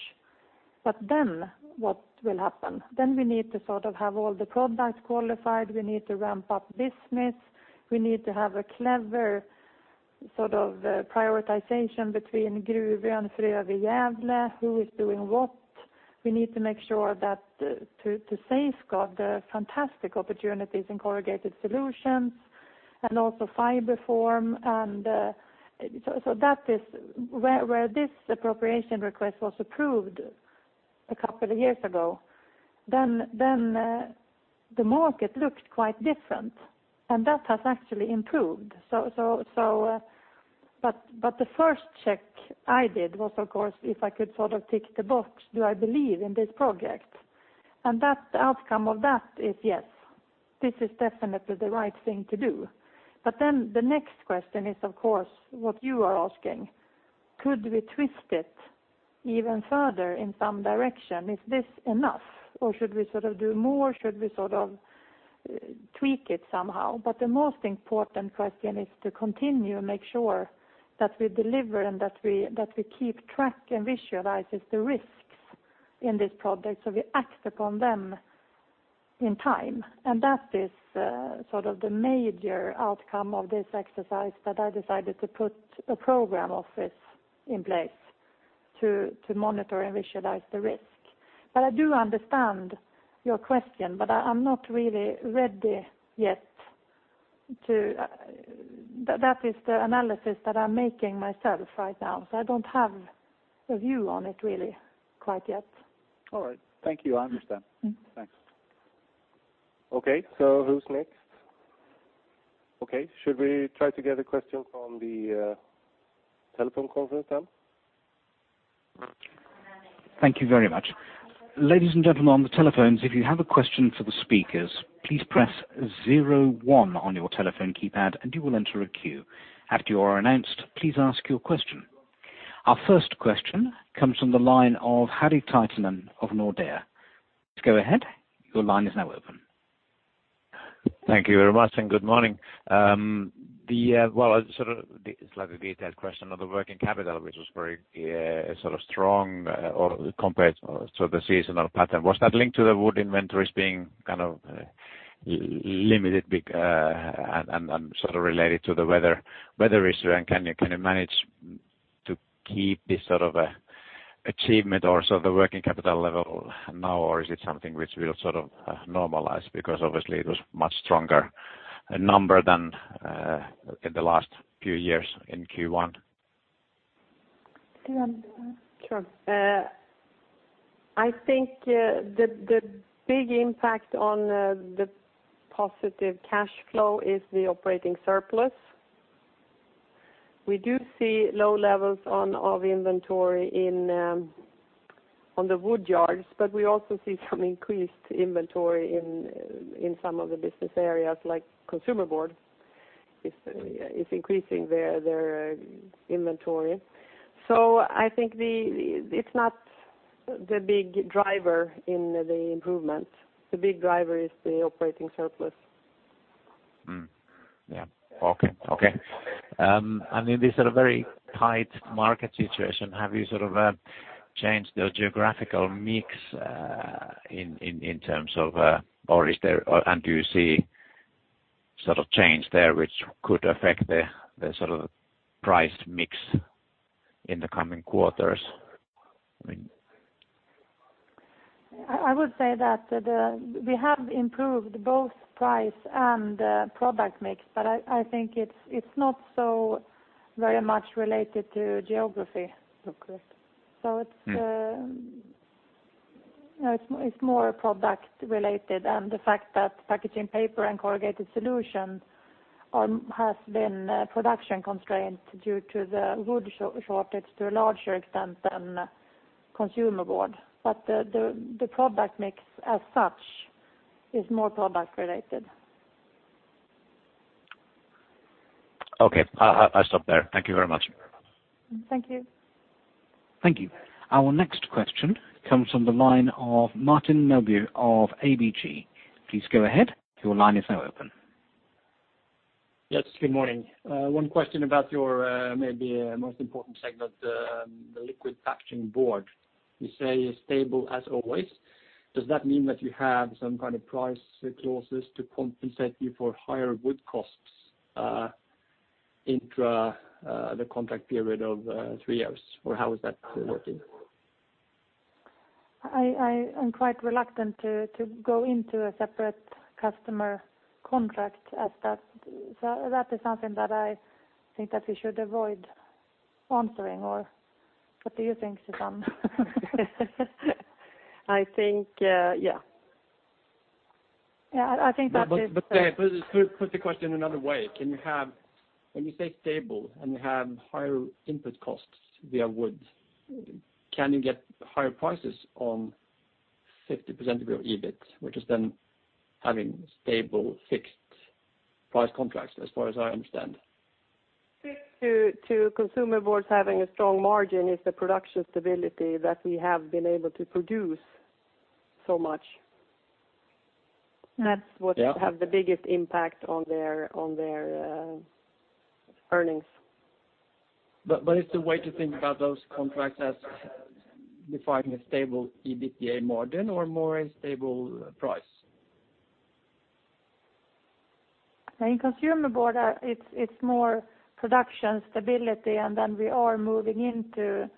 What will happen? We need to have all the products qualified. We need to ramp up business. We need to have a clever prioritization between Gruvön, Frövi, Gävle, who is doing what. We need to make sure that to safeguard the fantastic opportunities in Corrugated Solutions and also FibreForm. Where this appropriation request was approved a couple of years ago, then the market looked quite different, and that has actually improved. The first check I did was, of course, if I could tick the box, do I believe in this project? The outcome of that is yes, this is definitely the right thing to do. The next question is, of course, what you are asking, could we twist it even further in some direction? Is this enough, or should we do more? Should we tweak it somehow? The most important question is to continue, make sure that we deliver and that we keep track and visualize the risks in this project, so we act upon them in time. That is the major outcome of this exercise that I decided to put a program office in place to monitor and visualize the risk. I do understand your question, but I'm not really ready yet to. That is the analysis that I'm making myself right now. I don't have a view on it really quite yet. All right. Thank you. I understand. Thanks. Okay, who's next? Okay. Should we try to get a question from the telephone conference then? Thank you very much. Ladies and gentlemen on the telephones, if you have a question for the speakers, please press 01 on your telephone keypad and you will enter a queue. After you are announced, please ask your question. Our first question comes from the line of Harri Töyrylä of Nordea. Go ahead, your line is now open. Thank you very much, and good morning. It's a slightly detailed question of the working capital, which was very strong compared to the seasonal pattern. Was that linked to the wood inventories being limited, and related to the weather issue? Can you manage to keep this sort of achievement or the working capital level now, or is it something which will normalize? Obviously it was a much stronger number than in the last few years in Q1. Sure. I think the big impact on the positive cash flow is the operating surplus. We do see low levels of inventory on the wood yards, but we also see some increased inventory in some of the business areas, like Consumer Board is increasing their inventory. I think it's not the big driver in the improvement. The big driver is the operating surplus. Mm. Yeah. Okay. In this very tight market situation, have you changed the geographical mix in terms of, or do you see change there which could affect the price mix in the coming quarters? I would say that we have improved both price and product mix, but I think it's not so very much related to geography. Okay. It's more product related, and the fact that Packaging Paper and Corrugated Solutions has been production constrained due to the wood shortage to a larger extent than Consumer Board. The product mix as such is more product related. Okay. I'll stop there. Thank you very much. Thank you. Thank you. Our next question comes from the line of Martin Melbye of ABG. Please go ahead, your line is now open. Yes, good morning. One question about your maybe most important segment, the liquid packaging board. You say is stable as always. Does that mean that you have some kind of price clauses to compensate you for higher wood costs intra the contract period of three years? Or how is that working? I am quite reluctant to go into a separate customer contract as that. That is something that I think that we should avoid answering, or what do you think, Susanne? I think, yeah. Yeah, I think that is- When you say stable, and you have higher input costs via wood, can you get higher prices on 50% of your EBIT, which is then having stable fixed price contracts, as far as I understand. The trick to Consumer Board having a strong margin is the production stability that we have been able to produce so much. Yeah. That's what have the biggest impact on their earnings. Is the way to think about those contracts as defining a stable EBITDA margin or more a stable price? In Consumer Board, it is more production stability. Then we are moving into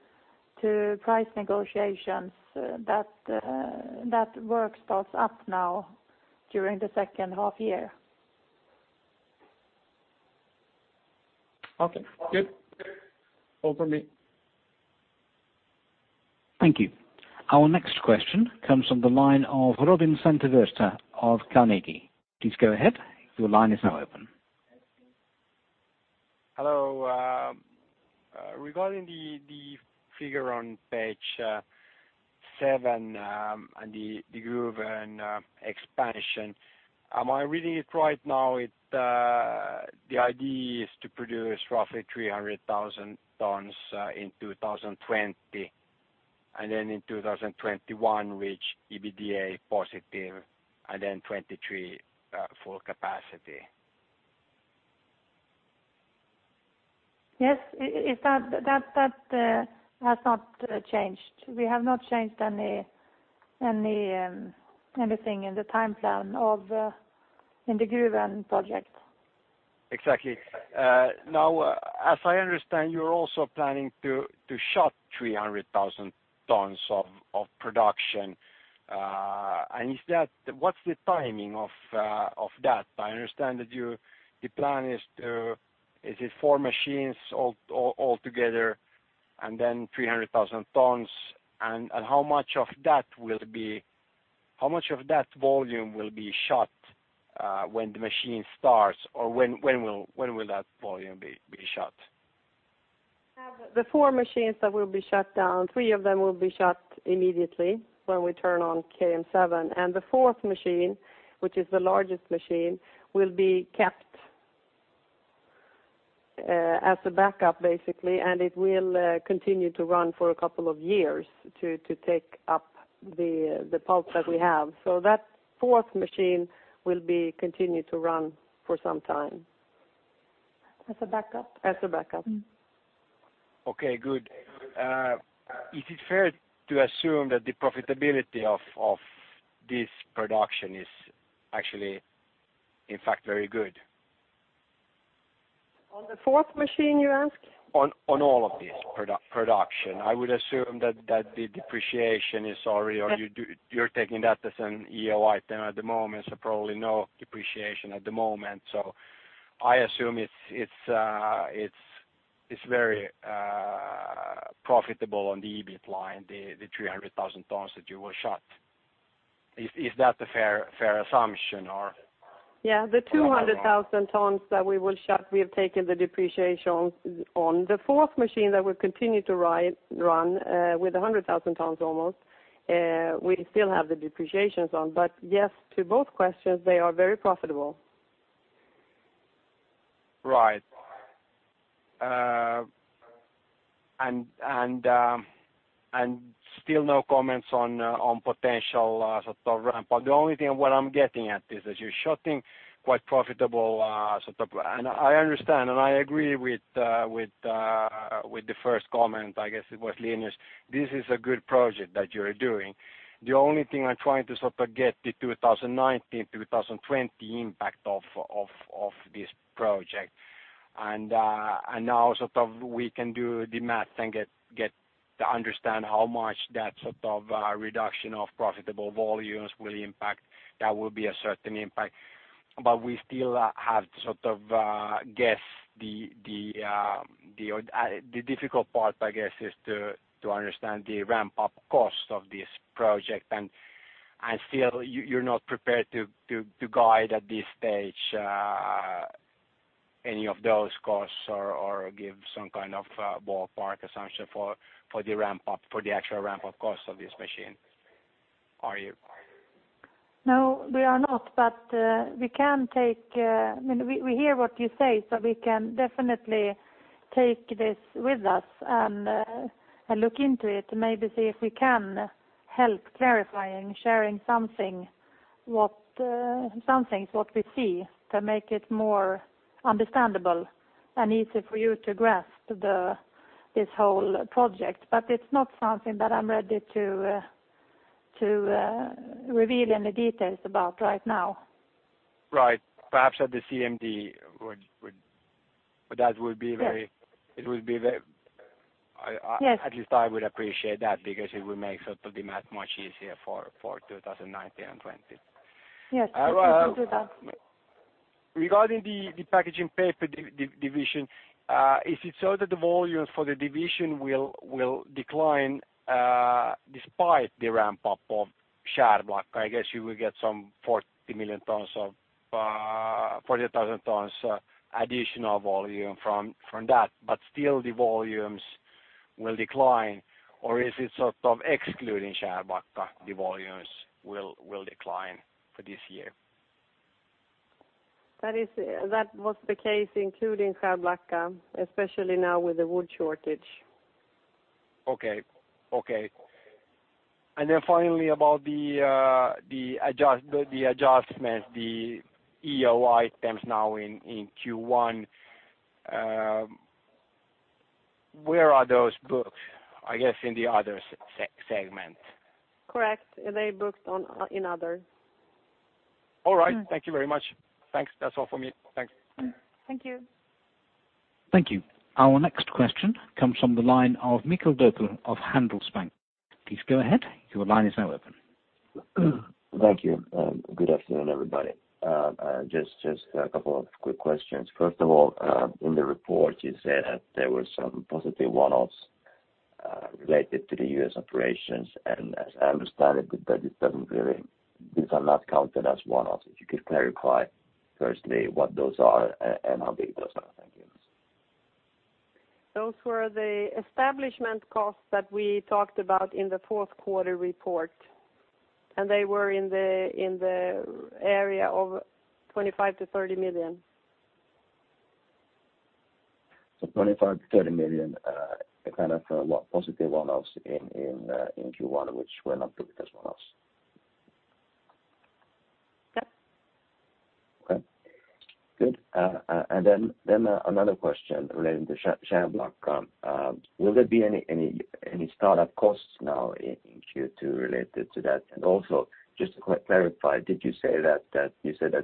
price negotiations. That work starts up now during the second half-year. Okay, good. All from me. Thank you. Our next question comes from the line of Robin Santavirta of Carnegie. Please go ahead, your line is now open. Hello. Regarding the figure on page seven, on the Gruvön expansion. Am I reading it right now? The idea is to produce roughly 300,000 tons in 2020. Then in 2021 reach EBITDA positive. Then 2023 full capacity. Yes, that has not changed. We have not changed anything in the time plan in the Gruvön project. Exactly. As I understand, you're also planning to shut 300,000 tons of production. What's the timing of that? I understand that the plan is four machines all together and then 300,000 tons. How much of that volume will be shut when the machine starts? When will that volume be shut? The four machines that will be shut down, three of them will be shut immediately when we turn on KM7. The fourth machine, which is the largest machine, will be kept as a backup, basically, and it will continue to run for a couple of years to take up the pulse that we have. That fourth machine will be continued to run for some time. As a backup? As a backup. Okay, good. Is it fair to assume that the profitability of this production is actually, in fact, very good? On the fourth machine, you ask? On all of this production. I would assume that the depreciation is already, or you're taking that as an EOI then at the moment, so probably no depreciation at the moment. I assume it's very profitable on the EBIT line, the 300,000 tons that you will shut. Is that a fair assumption, or? Yeah, the 200,000 tons that we will shut, we have taken the depreciation on. The fourth machine that will continue to run with 100,000 tons almost, we still have the depreciations on. Yes, to both questions, they are very profitable. Right. Still no comments on potential sort of ramp up. The only thing, what I'm getting at is that you're shutting quite profitable, and I understand, and I agree with the first comment, I guess it was Linus. This is a good project that you're doing. The only thing I'm trying to sort of get the 2019, 2020 impact of this project. Now sort of we can do the math and get to understand how much that sort of reduction of profitable volumes will impact. That will be a certain impact. We still have to sort of guess the difficult part, I guess, is to understand the ramp-up cost of this project. Still you're not prepared to guide at this stage any of those costs or give some kind of ballpark assumption for the actual ramp-up cost of this machine, are you? No, we are not. We hear what you say, so we can definitely take this with us and look into it, maybe see if we can help clarifying, sharing some things what we see to make it more understandable and easy for you to grasp this whole project. It's not something that I'm ready to reveal any details about right now. Right. Perhaps at the CMD, that would be very. Yes. At least I would appreciate that because it would make sort of the math much easier for 2019 and 2020. Yes, we can do that. Regarding the Packaging Paper division, is it so that the volumes for the division will decline despite the ramp-up of Skärblacka? I guess you will get some 40,000 tons additional volume from that, but still the volumes will decline. Is it sort of excluding Skärblacka, the volumes will decline for this year? That was the case including Skärblacka, especially now with the wood shortage. Okay. Finally about the adjustments, the EOI terms now in Q1, where are those booked? I guess in the other segment. Correct. They're booked in other. All right. Thank you very much. Thanks. That is all for me. Thanks. Thank you. Thank you. Our next question comes from the line of Mikael Doepel of Handelsbanken. Please go ahead. Your line is now open. Thank you. Good afternoon, everybody. Just a couple of quick questions. First of all, in the report, you said that there were some positive one-offs related to the U.S. operations, as I understand it, that these are not counted as one-offs. If you could clarify firstly what those are and how big those are. Thank you. Those were the establishment costs that we talked about in the fourth quarter report, they were in the area of 25 million-30 million. 25 million-30 million, kind of positive one-offs in Q1, which were not booked as one-offs. Yes. Okay, good. Another question relating to Skärblacka. Will there be any startup costs now in Q2 related to that? Also, just to clarify, did you say that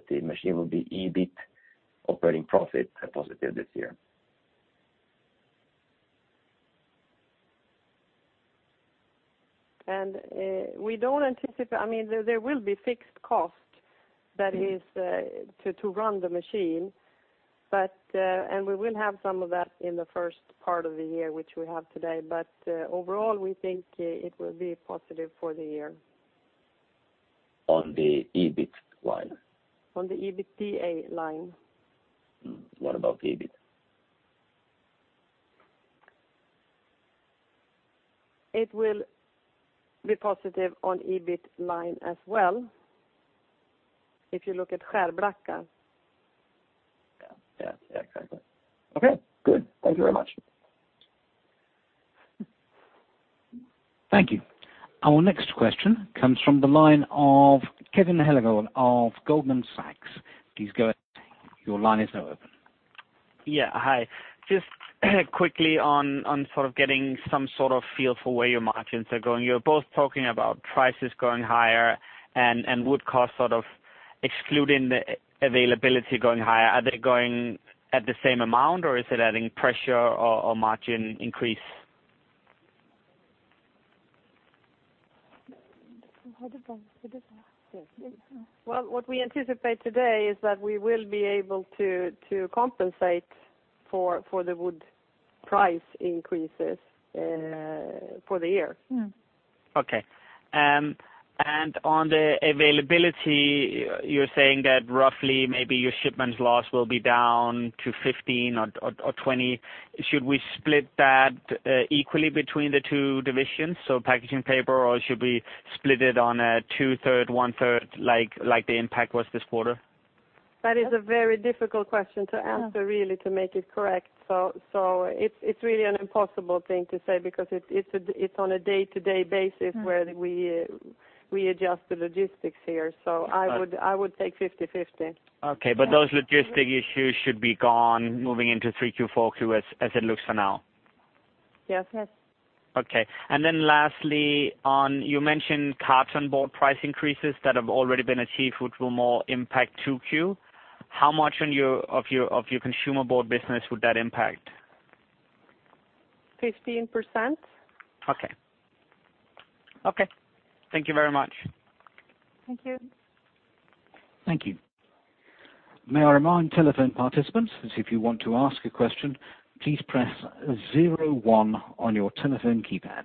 the machine will be EBIT operating profit positive this year? There will be fixed cost, that is, to run the machine, and we will have some of that in the first part of the year, which we have today. Overall, we think it will be positive for the year. On the EBIT line? On the EBITDA line. What about the EBIT? It will be positive on EBIT line as well if you look at Skärblacka. Yeah. Exactly. Okay, good. Thank you very much. Thank you. Our next question comes from the line of Cole Hathorn of Goldman Sachs. Please go ahead. Your line is now open. Yeah. Hi, just quickly on getting some sort of feel for where your margins are going. You're both talking about prices going higher and wood cost excluding the availability going higher. Are they going at the same amount, or is it adding pressure or margin increase? Well, what we anticipate today is that we will be able to compensate for the wood price increases for the year. Okay. On the availability, you're saying that roughly maybe your shipments loss will be down to 15 or 20. Should we split that equally between the two divisions, so Packaging Paper, or should we split it on a two-third, one-third like the impact was this quarter? That is a very difficult question to answer really to make it correct. It is really an impossible thing to say because it is on a day-to-day basis where we adjust the logistics here. I would take 50/50. Okay. Those logistic issues should be gone moving into 3Q, 4Q as it looks for now. Yes. Yes. Okay. Lastly on, you mentioned consumer board price increases that have already been achieved, which will more impact 2Q. How much of your Consumer Board business would that impact? 15%. Okay. Thank you very much. Thank you. Thank you. May I remind telephone participants that if you want to ask a question, please press 01 on your telephone keypad.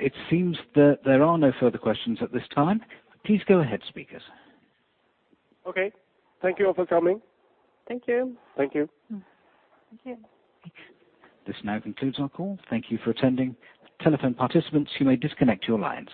It seems that there are no further questions at this time. Please go ahead, speakers. Okay. Thank you all for coming. Thank you. Thank you. Thank you. This now concludes our call. Thank you for attending. Telephone participants, you may disconnect your lines.